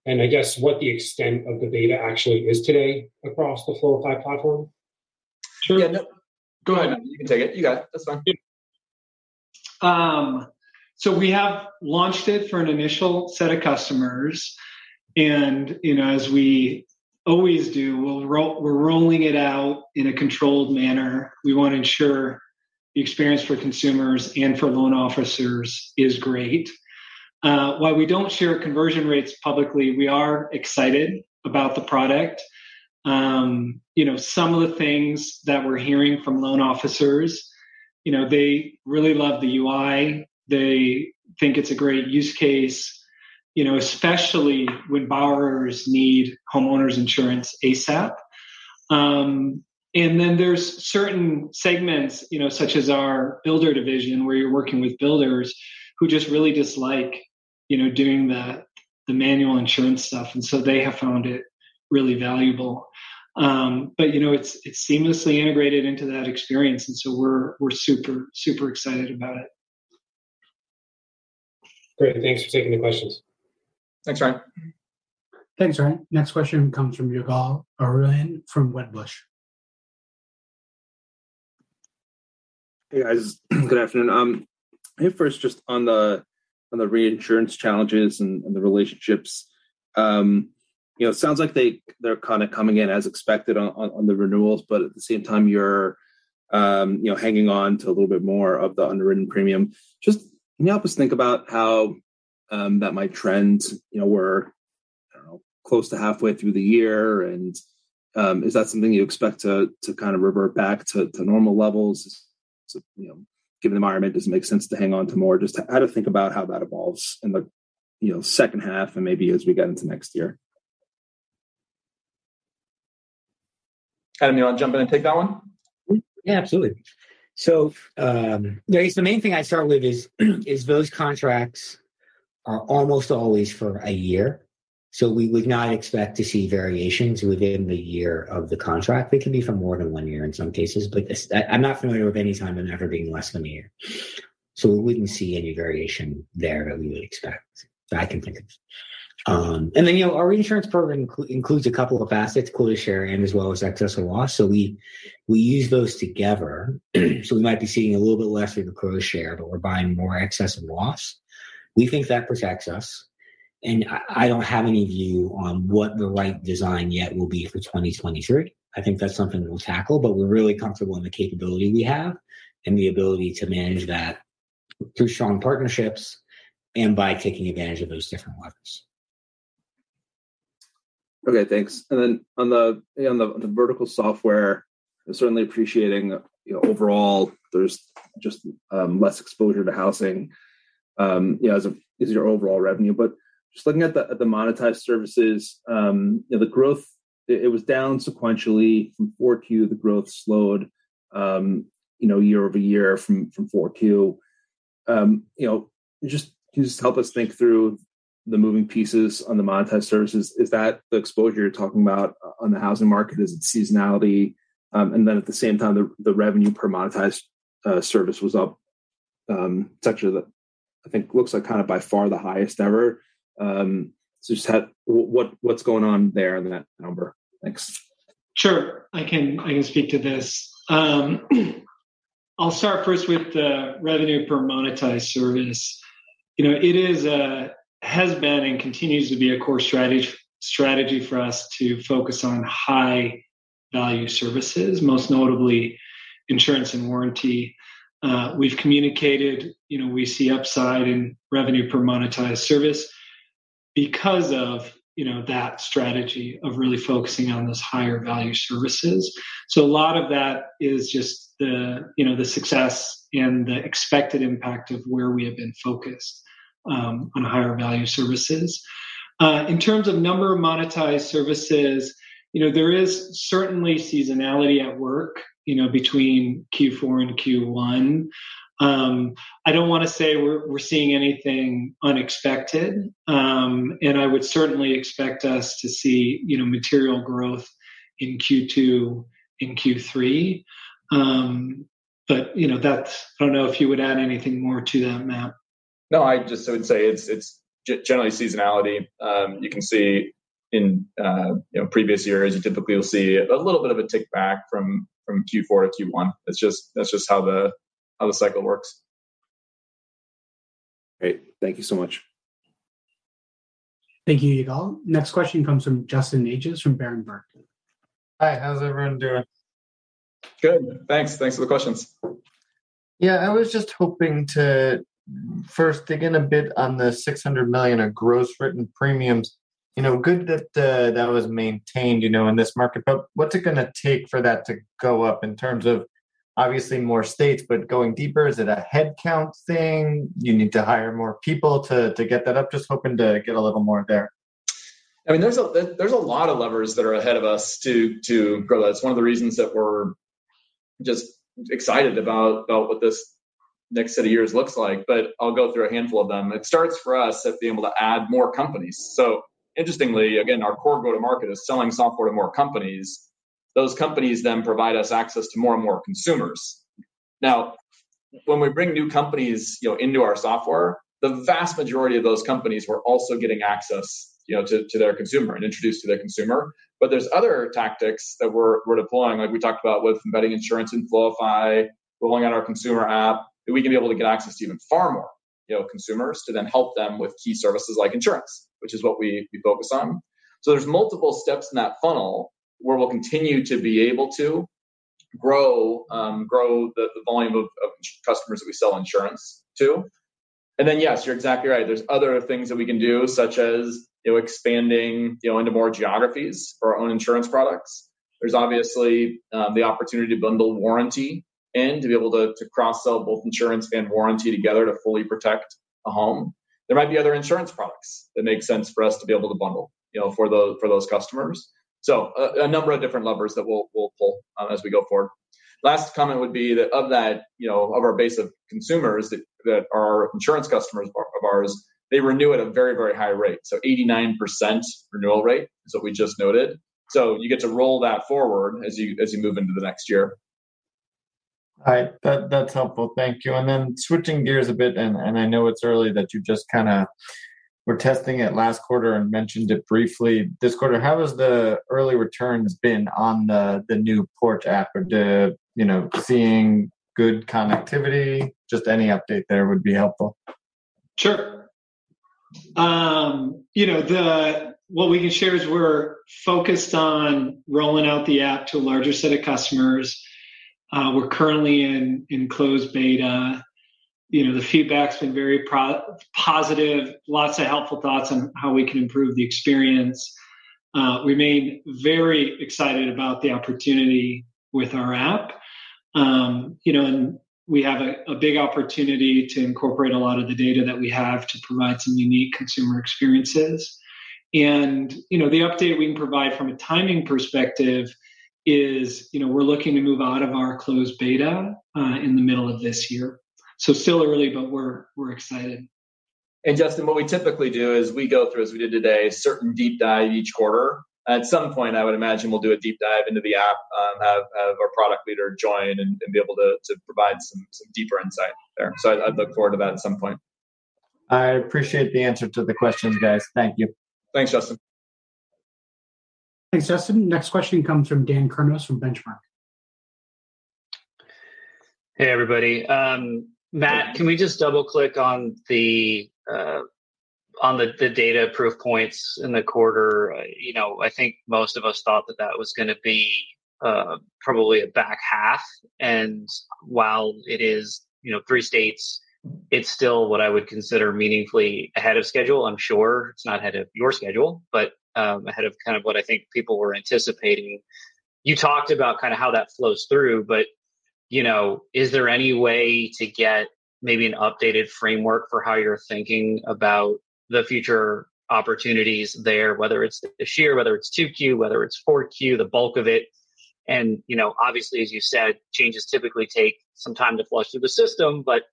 and I guess what the extent of the beta actually is today across the Floify platform? Sure. Yeah, no. Go ahead. You can take it. You got it. That's fine. We have launched it for an initial set of customers, and, you know, as we always do, we're rolling it out in a controlled manner. We want to ensure the experience for consumers and for loan officers is great. While we don't share conversion rates publicly, we are excited about the product. You know, some of the things that we're hearing from loan officers, you know, they really love the UI. They think it's a great use case, you know, especially when borrowers need homeowners insurance ASAP. There's certain segments, you know, such as our builder division, where you're working with builders who just really dislike, you know, doing the manual insurance stuff. They have found it really valuable. You know, it's seamlessly integrated into that experience, and so we're super excited about it. Great. Thanks for taking the questions. Thanks, Ryan. Thanks, Ryan. Next question comes from Ygal Arounian from Wedbush. Hey, guys. Good afternoon. Maybe first just on the reinsurance challenges and the relationships. You know, it sounds like they're kind of coming in as expected on the renewals, but at the same time you're, you know, hanging on to a little bit more of the underwritten premium. Just can you help us think about how that might trend? You know, we're, I don't know, close to halfway through the year, and is that something you expect to kind of revert back to normal levels? You know, given the environment, does it make sense to hang on to more? Just how to think about how that evolves in the second half and maybe as we get into next year. Adam, you want to jump in and take that one? Yeah, absolutely. I guess the main thing I'd start with is those contracts are almost always for a year, so we would not expect to see variations within the year of the contract. They can be for more than one year in some cases, but I'm not familiar with any time I've ever been less than a year. We wouldn't see any variation there that we would expect that I can think of. You know, our reinsurance program includes a couple of facets, quota share and as well as excess of loss. We use those together. We might be seeing a little bit less of the quota share, but we're buying more excess of loss. We think that protects us, and I don't have any view on what the right design yet will be for 2023. I think that's something we'll tackle. We're really comfortable in the capability we have and the ability to manage that through strong partnerships and by taking advantage of those different levers. Okay, thanks. On the vertical software, certainly appreciating, you know, overall there's just less exposure to housing, you know, is your overall revenue. Just looking at the monetized services, you know, the growth, it was down sequentially from 4Q, the growth slowed, you know, year-over-year from 4Q. You know, just, can you just help us think through the moving pieces on the monetized services? Is that the exposure you're talking about on the housing market? Is it seasonality? At the same time, the revenue per monetized service was up, it's actually. I think it looks like kind of by far the highest ever. Just what's going on there in that number? Thanks. Sure. I can speak to this. I'll start first with the revenue per monetized service. You know, it is a, has been and continues to be a core strategy for us to focus on high value services, most notably insurance and warranty. We've communicated, you know, we see upside in revenue per monetized service because of, you know, that strategy of really focusing on those higher value services. A lot of that is just the, you know, the success and the expected impact of where we have been focused on higher value services. In terms of number of monetized services, you know, there is certainly seasonality at work, you know, between Q4 and Q1. I don't want to say we're seeing anything unexpected, and I would certainly expect us to see, you know, material growth in Q2 and Q3. You know, that's. I don't know if you would add anything more to that, Matt. No, I just would say it's generally seasonality. You can see in, you know, previous years, you typically will see a little bit of a tick back from Q4 to Q1. That's just how the cycle works. Great. Thank you so much. Thank you, Ygal. Next question comes from Justin Agee from Baird/Bernstein. Hi. How's everyone doing? Good, thanks. Thanks for the questions. Yeah, I was just hoping to first dig in a bit on the $600 million of gross written premiums. You know, good that that was maintained, you know, in this market. What's it gonna take for that to go up in terms of obviously more states, but going deeper, is it a headcount thing? You need to hire more people to get that up? Just hoping to get a little more there. I mean, there's a lot of levers that are ahead of us to grow that. It's one of the reasons that we're just excited about what this next set of years looks like. I'll go through a handful of them. It starts for us at being able to add more companies. Interestingly, again, our core go-to-market is selling software to more companies. Those companies then provide us access to more and more consumers. Now, when we bring new companies, you know, into our software, the vast majority of those companies we're also getting access, you know, to their consumer and introduced to their consumer. There are other tactics that we're deploying, like we talked about with embedding insurance in Floify, rolling out our consumer app, that we can be able to get access to even far more, you know, consumers to then help them with key services like insurance, which is what we focus on. There are multiple steps in that funnel where we'll continue to be able to grow the volume of customers that we sell insurance to. Yes, you're exactly right. There are other things that we can do, such as, you know, expanding, you know, into more geographies for our own insurance products. There's obviously the opportunity to bundle warranty and to be able to cross-sell both insurance and warranty together to fully protect a home. There might be other insurance products that make sense for us to be able to bundle, you know, for those customers. A number of different levers that we'll pull as we go forward. Last comment would be that of our base of consumers that are insurance customers of ours, they renew at a very high rate. 89% renewal rate is what we just noted. You get to roll that forward as you move into the next year. All right. That's helpful. Thank you. Then switching gears a bit, and I know it's early that you just kinda were testing it last quarter and mentioned it briefly this quarter, how has the early returns been on the new Porch app? Or the, you know, seeing good connectivity? Just any update there would be helpful. Sure. You know, what we can share is we're focused on rolling out the app to a larger set of customers. We're currently in closed beta. You know, the feedback's been very positive, lots of helpful thoughts on how we can improve the experience. We remain very excited about the opportunity with our app. You know, we have a big opportunity to incorporate a lot of the data that we have to provide some unique consumer experiences. You know, the update we can provide from a timing perspective is, you know, we're looking to move out of our closed beta in the middle of this year. Still early, but we're excited. Justin, what we typically do is we go through, as we did today, a certain deep dive each quarter. At some point, I would imagine we'll do a deep dive into the app, have our product leader join and be able to provide some deeper insight there. I'd look forward to that at some point. I appreciate the answer to the questions, guys. Thank you. Thanks, Justin. Thanks, Justin. Next question comes from Daniel Kurnos from Benchmark. Hey, everybody. Matt, can we just double-click on the data proof points in the quarter? You know, I think most of us thought that was gonna be probably a back half. While it is, you know, three states, it's still what I would consider meaningfully ahead of schedule. I'm sure it's not ahead of your schedule, but ahead of kind of what I think people were anticipating. You talked about kind of how that flows through, but you know, is there any way to get maybe an updated framework for how you're thinking about the future opportunities there, whether it's this year, whether it's 2Q, whether it's 4Q, the bulk of it. You know, obviously, as you said, changes typically take some time to flush through the system, but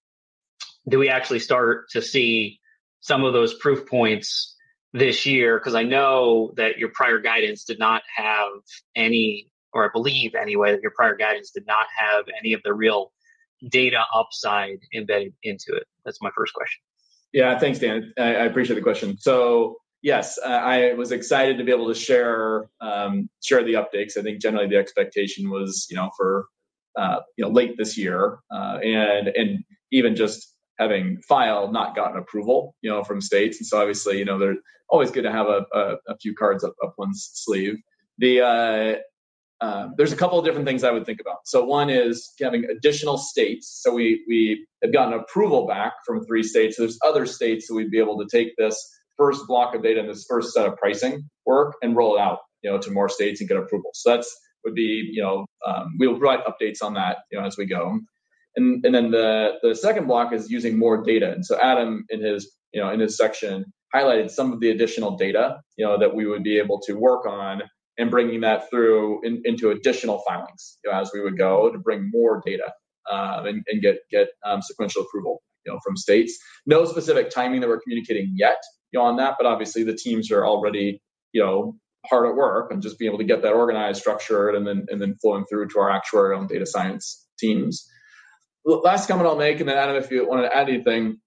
do we actually start to see some of those proof points this year? 'Cause I know that your prior guidance did not have any, or I believe anyway, that your prior guidance did not have any of the real data upside embedded into it. That's my first question. Yeah. Thanks, Dan. I appreciate the question. So yes, I was excited to be able to share the updates. I think generally the expectation was, you know, for late this year, and even just having filed, not gotten approval, you know, from states. Obviously, you know, they're always good to have a few cards up one's sleeve. There's a couple of different things I would think about. So one is getting additional states. So we have gotten approval back from three states. There's other states that we'd be able to take this first block of data and this first set of pricing work and roll it out, you know, to more states and get approval. So that would be, you know. We'll provide updates on that, you know, as we go. The second block is using more data. Adam, in his section, highlighted some of the additional data, you know, that we would be able to work on and bringing that through into additional filings, you know, as we would go to bring more data and get sequential approval, you know, from states. No specific timing that we're communicating yet, you know, on that, but obviously the teams are already, you know, hard at work and just being able to get that organized, structured, and then flowing through to our actuarial and data science teams. The last comment I'll make, and then Adam, if you wanna add anything,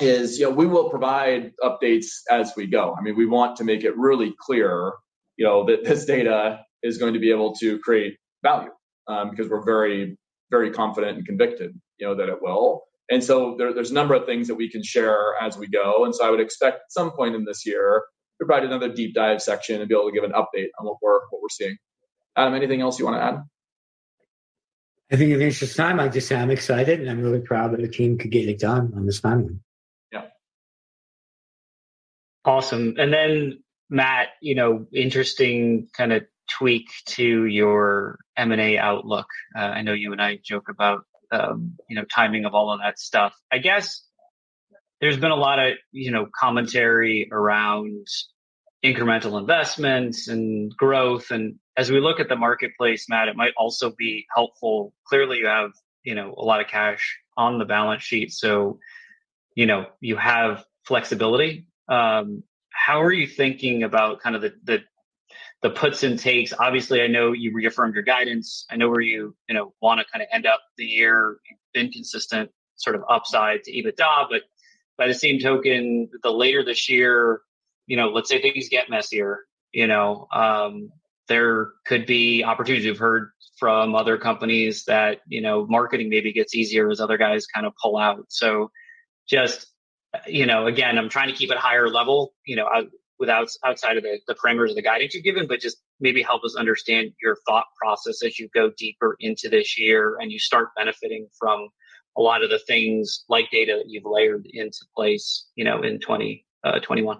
is, you know, we will provide updates as we go. I mean, we want to make it really clear, you know, that this data is going to be able to create value, because we're very, very confident and convicted, you know, that it will. There's a number of things that we can share as we go. I would expect at some point in this year to provide another deep dive section and be able to give an update on what we're seeing. Adam, anything else you wanna add? I think if there's time, I'd just say I'm excited, and I'm really proud that the team could get it done on this timing. Yeah. Awesome. Then Matt, you know, interesting kind of tweak to your M&A outlook. I know you and I joke about, you know, timing of all of that stuff. There's been a lot of, you know, commentary around incremental investments and growth. As we look at the marketplace, Matt, it might also be helpful. Clearly you have, you know, a lot of cash on the balance sheet, so, you know, you have flexibility. How are you thinking about kind of the puts and takes? Obviously, I know you reaffirmed your guidance. I know where you know, wanna kinda end up the year. You've been consistent sort of upside to EBITDA. By the same token, the later this year, you know, let's say things get messier, you know, there could be opportunities. We've heard from other companies that, you know, marketing maybe gets easier as other guys kind of pull out. So just, you know, again, I'm trying to keep it higher level, you know, outside of the parameters of the guidance you've given, but just maybe help us understand your thought process as you go deeper into this year and you start benefiting from a lot of the things like data that you've layered into place, you know, in 2021.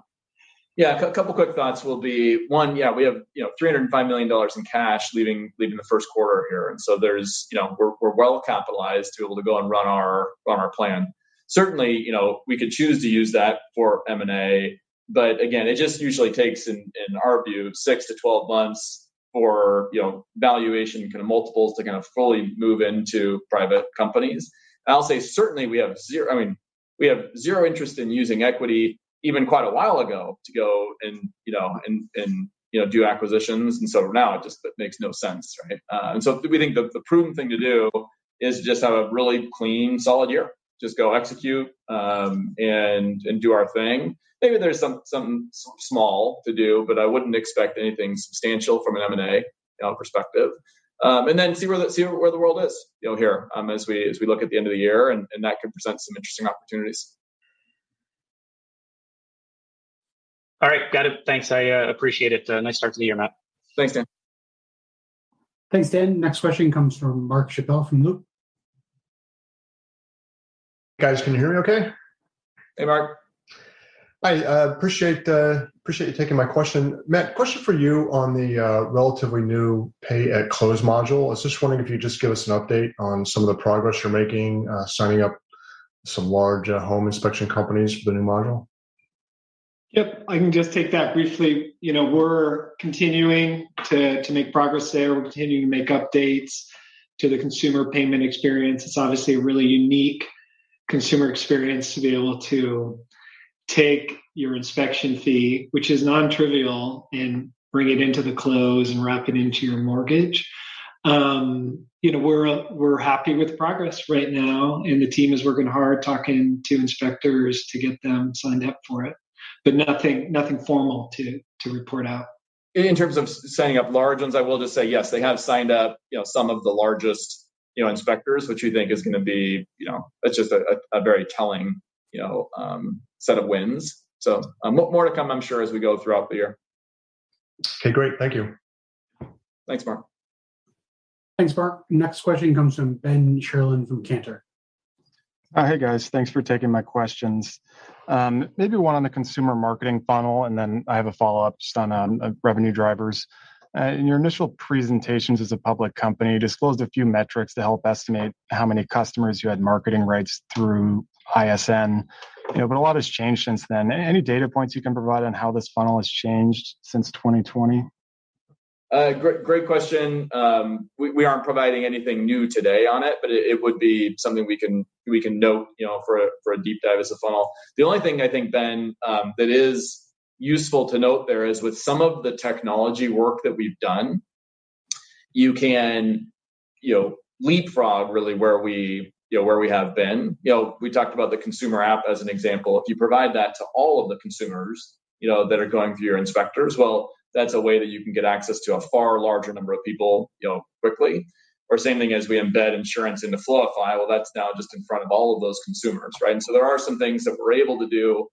Yeah. A couple quick thoughts will be one, yeah, we have, you know, $305 million in cash leaving the first quarter here. There's, you know, we're well capitalized to be able to go and run our plan. Certainly, you know, we could choose to use that for M&A, but again, it just usually takes, in our view, six-12 months for, you know, valuation kind of multiples to kind of fully move into private companies. I'll say certainly we have zero. I mean, we have zero interest in using equity even quite a while ago to go and, you know, do acquisitions. For now it just makes no sense, right? We think the prudent thing to do is just have a really clean, solid year. Just go execute, and do our thing. Maybe there's something small to do, but I wouldn't expect anything substantial from an M&A, you know, perspective. See where the world is, you know, here, as we look at the end of the year and that could present some interesting opportunities. All right. Got it. Thanks. I appreciate it. A nice start to the year, Matt. Thanks, Dan. Thanks, Dan. Next question comes from Mark Schappel from Loop. Guys, can you hear me okay? Hey, Mark. Hi. Appreciate you taking my question. Matt, question for you on the relatively new pay at close module. I was just wondering if you'd just give us an update on some of the progress you're making, signing up some large home inspection companies for the new module. Yep. I can just take that briefly. You know, we're continuing to make progress there. We're continuing to make updates to the consumer payment experience. It's obviously a really unique consumer experience to be able to take your inspection fee, which is non-trivial, and bring it into the close and wrap it into your mortgage. You know, we're happy with the progress right now, and the team is working hard talking to inspectors to get them signed up for it. But nothing formal to report out. In terms of signing up large ones, I will just say yes, they have signed up, you know, some of the largest, you know, inspectors, which we think is gonna be, you know, it's just a very telling, you know, set of wins. More to come, I'm sure, as we go throughout the year. Okay, great. Thank you. Thanks, Mark. Thanks, Mark. Next question comes from Ben Sherlund from Cantor. Hey, guys. Thanks for taking my questions. Maybe one on the consumer marketing funnel, and then I have a follow-up just on revenue drivers. In your initial presentations as a public company, you disclosed a few metrics to help estimate how many customers you had marketing rights through ISN. You know, but a lot has changed since then. Any data points you can provide on how this funnel has changed since 2020? Great question. We aren't providing anything new today on it, but it would be something we can note, you know, for a deep dive as a funnel. The only thing I think, Ben, that is useful to note there is with some of the technology work that we've done. You can, you know, leapfrog really where we, you know, where we have been. You know, we talked about the consumer app as an example. If you provide that to all of the consumers, you know, that are going through your inspectors, well, that's a way that you can get access to a far larger number of people, you know, quickly. Same thing as we embed insurance into Floify, well, that's now just in front of all of those consumers, right? There are some things that we're able to do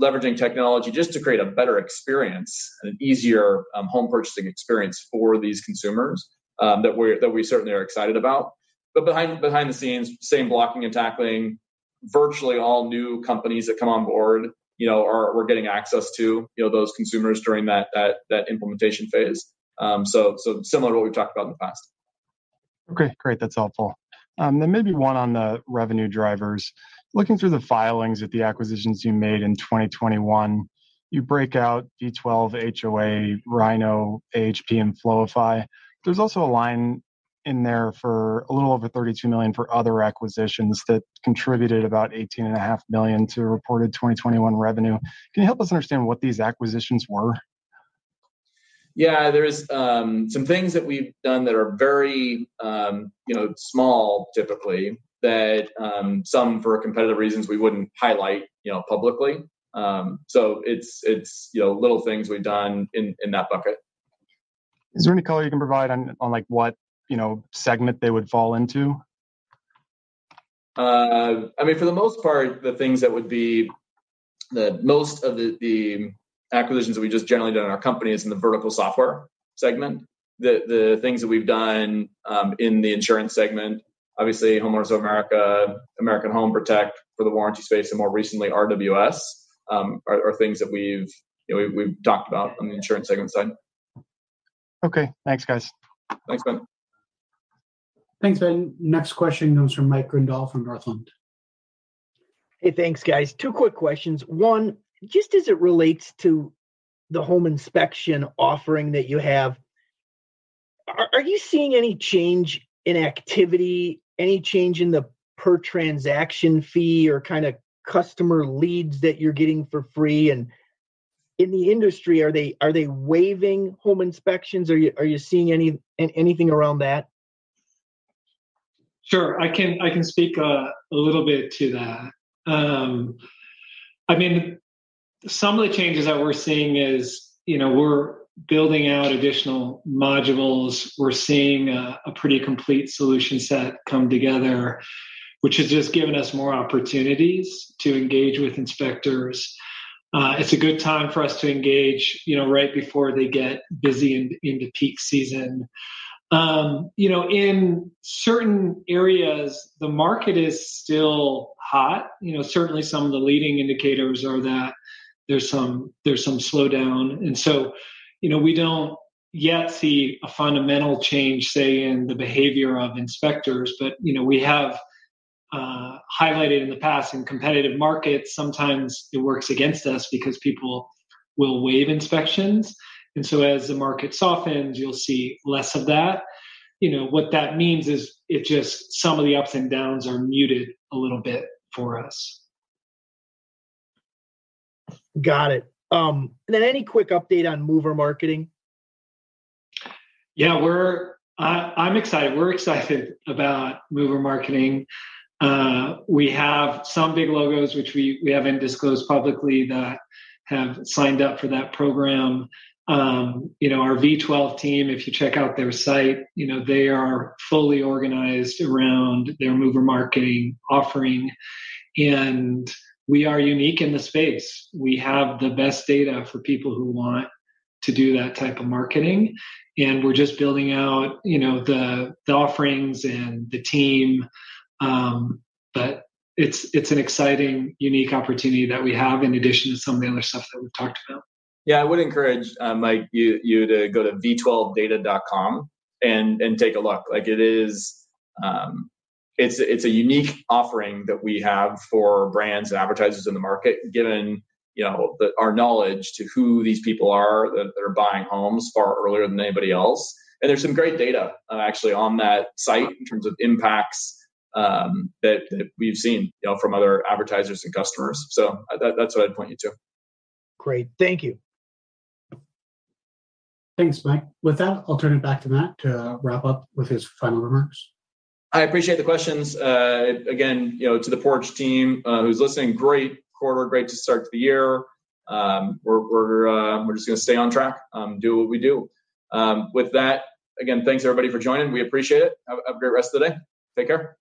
leveraging technology just to create a better experience and an easier home purchasing experience for these consumers that we certainly are excited about. Behind the scenes, same blocking and tackling. Virtually all new companies that come on board, you know, are getting access to, you know, those consumers during that implementation phase. So similar to what we've talked about in the past. Okay. Great. That's helpful. Maybe one on the revenue drivers. Looking through the filings at the acquisitions you made in 2021, you break out V12, HOA, Rhino, AHP, and Floify. There's also a line in there for a little over $32 million for other acquisitions that contributed about $18.5 million to reported 2021 revenue. Can you help us understand what these acquisitions were? Yeah. There's some things that we've done that are very, you know, small typically that some for competitive reasons we wouldn't highlight, you know, publicly. It's you know little things we've done in that bucket. Is there any color you can provide on like what, you know, segment they would fall into? I mean, for the most part, most of the acquisitions that we've just generally done in our company is in the vertical software segment. The things that we've done in the insurance segment, obviously Homeowners of America, American Home Protect for the warranty space, and more recently RWS, are things that we've, you know, we've talked about on the insurance segment side. Okay. Thanks, guys. Thanks, Ben. Thanks, Ben. Next question comes from Mike Grondahl from Northland. Hey, thanks guys. Two quick questions. One, just as it relates to the home inspection offering that you have, are you seeing any change in activity, any change in the per transaction fee or kinda customer leads that you're getting for free? And in the industry, are they waiving home inspections? Are you seeing anything around that? Sure. I can speak a little bit to that. I mean, some of the changes that we're seeing is, you know, we're building out additional modules. We're seeing a pretty complete solution set come together, which has just given us more opportunities to engage with inspectors. It's a good time for us to engage, you know, right before they get busy into peak season. You know, in certain areas, the market is still hot. You know, certainly some of the leading indicators are that there's some slowdown. You know, we don't yet see a fundamental change, say, in the behavior of inspectors. You know, we have highlighted in the past in competitive markets, sometimes it works against us because people will waive inspections. As the market softens, you'll see less of that. You know, what that means is it just some of the ups and downs are muted a little bit for us. Got it. Any quick update on mover marketing? Yeah. I'm excited, we're excited about mover marketing. We have some big logos which we haven't disclosed publicly that have signed up for that program. You know, our V12 team, if you check out their site, you know, they are fully organized around their mover marketing offering, and we are unique in the space. We have the best data for people who want to do that type of marketing, and we're just building out, you know, the offerings and the team. But it's an exciting, unique opportunity that we have in addition to some of the other stuff that we've talked about. Yeah. I would encourage Mike, you to go to v12data.com and take a look. It's a unique offering that we have for brands and advertisers in the market, given you know our knowledge of who these people are that are buying homes far earlier than anybody else. There's some great data actually on that site in terms of impacts that we've seen you know from other advertisers and customers. That's what I'd point you to. Great. Thank you. Thanks, Mike. With that, I'll turn it back to Matt to wrap up with his final remarks. I appreciate the questions. Again, you know, to the Porch team who's listening, great quarter, great to start to the year. We're just gonna stay on track, do what we do. With that, again, thanks everybody for joining. We appreciate it. Have a great rest of the day. Take care.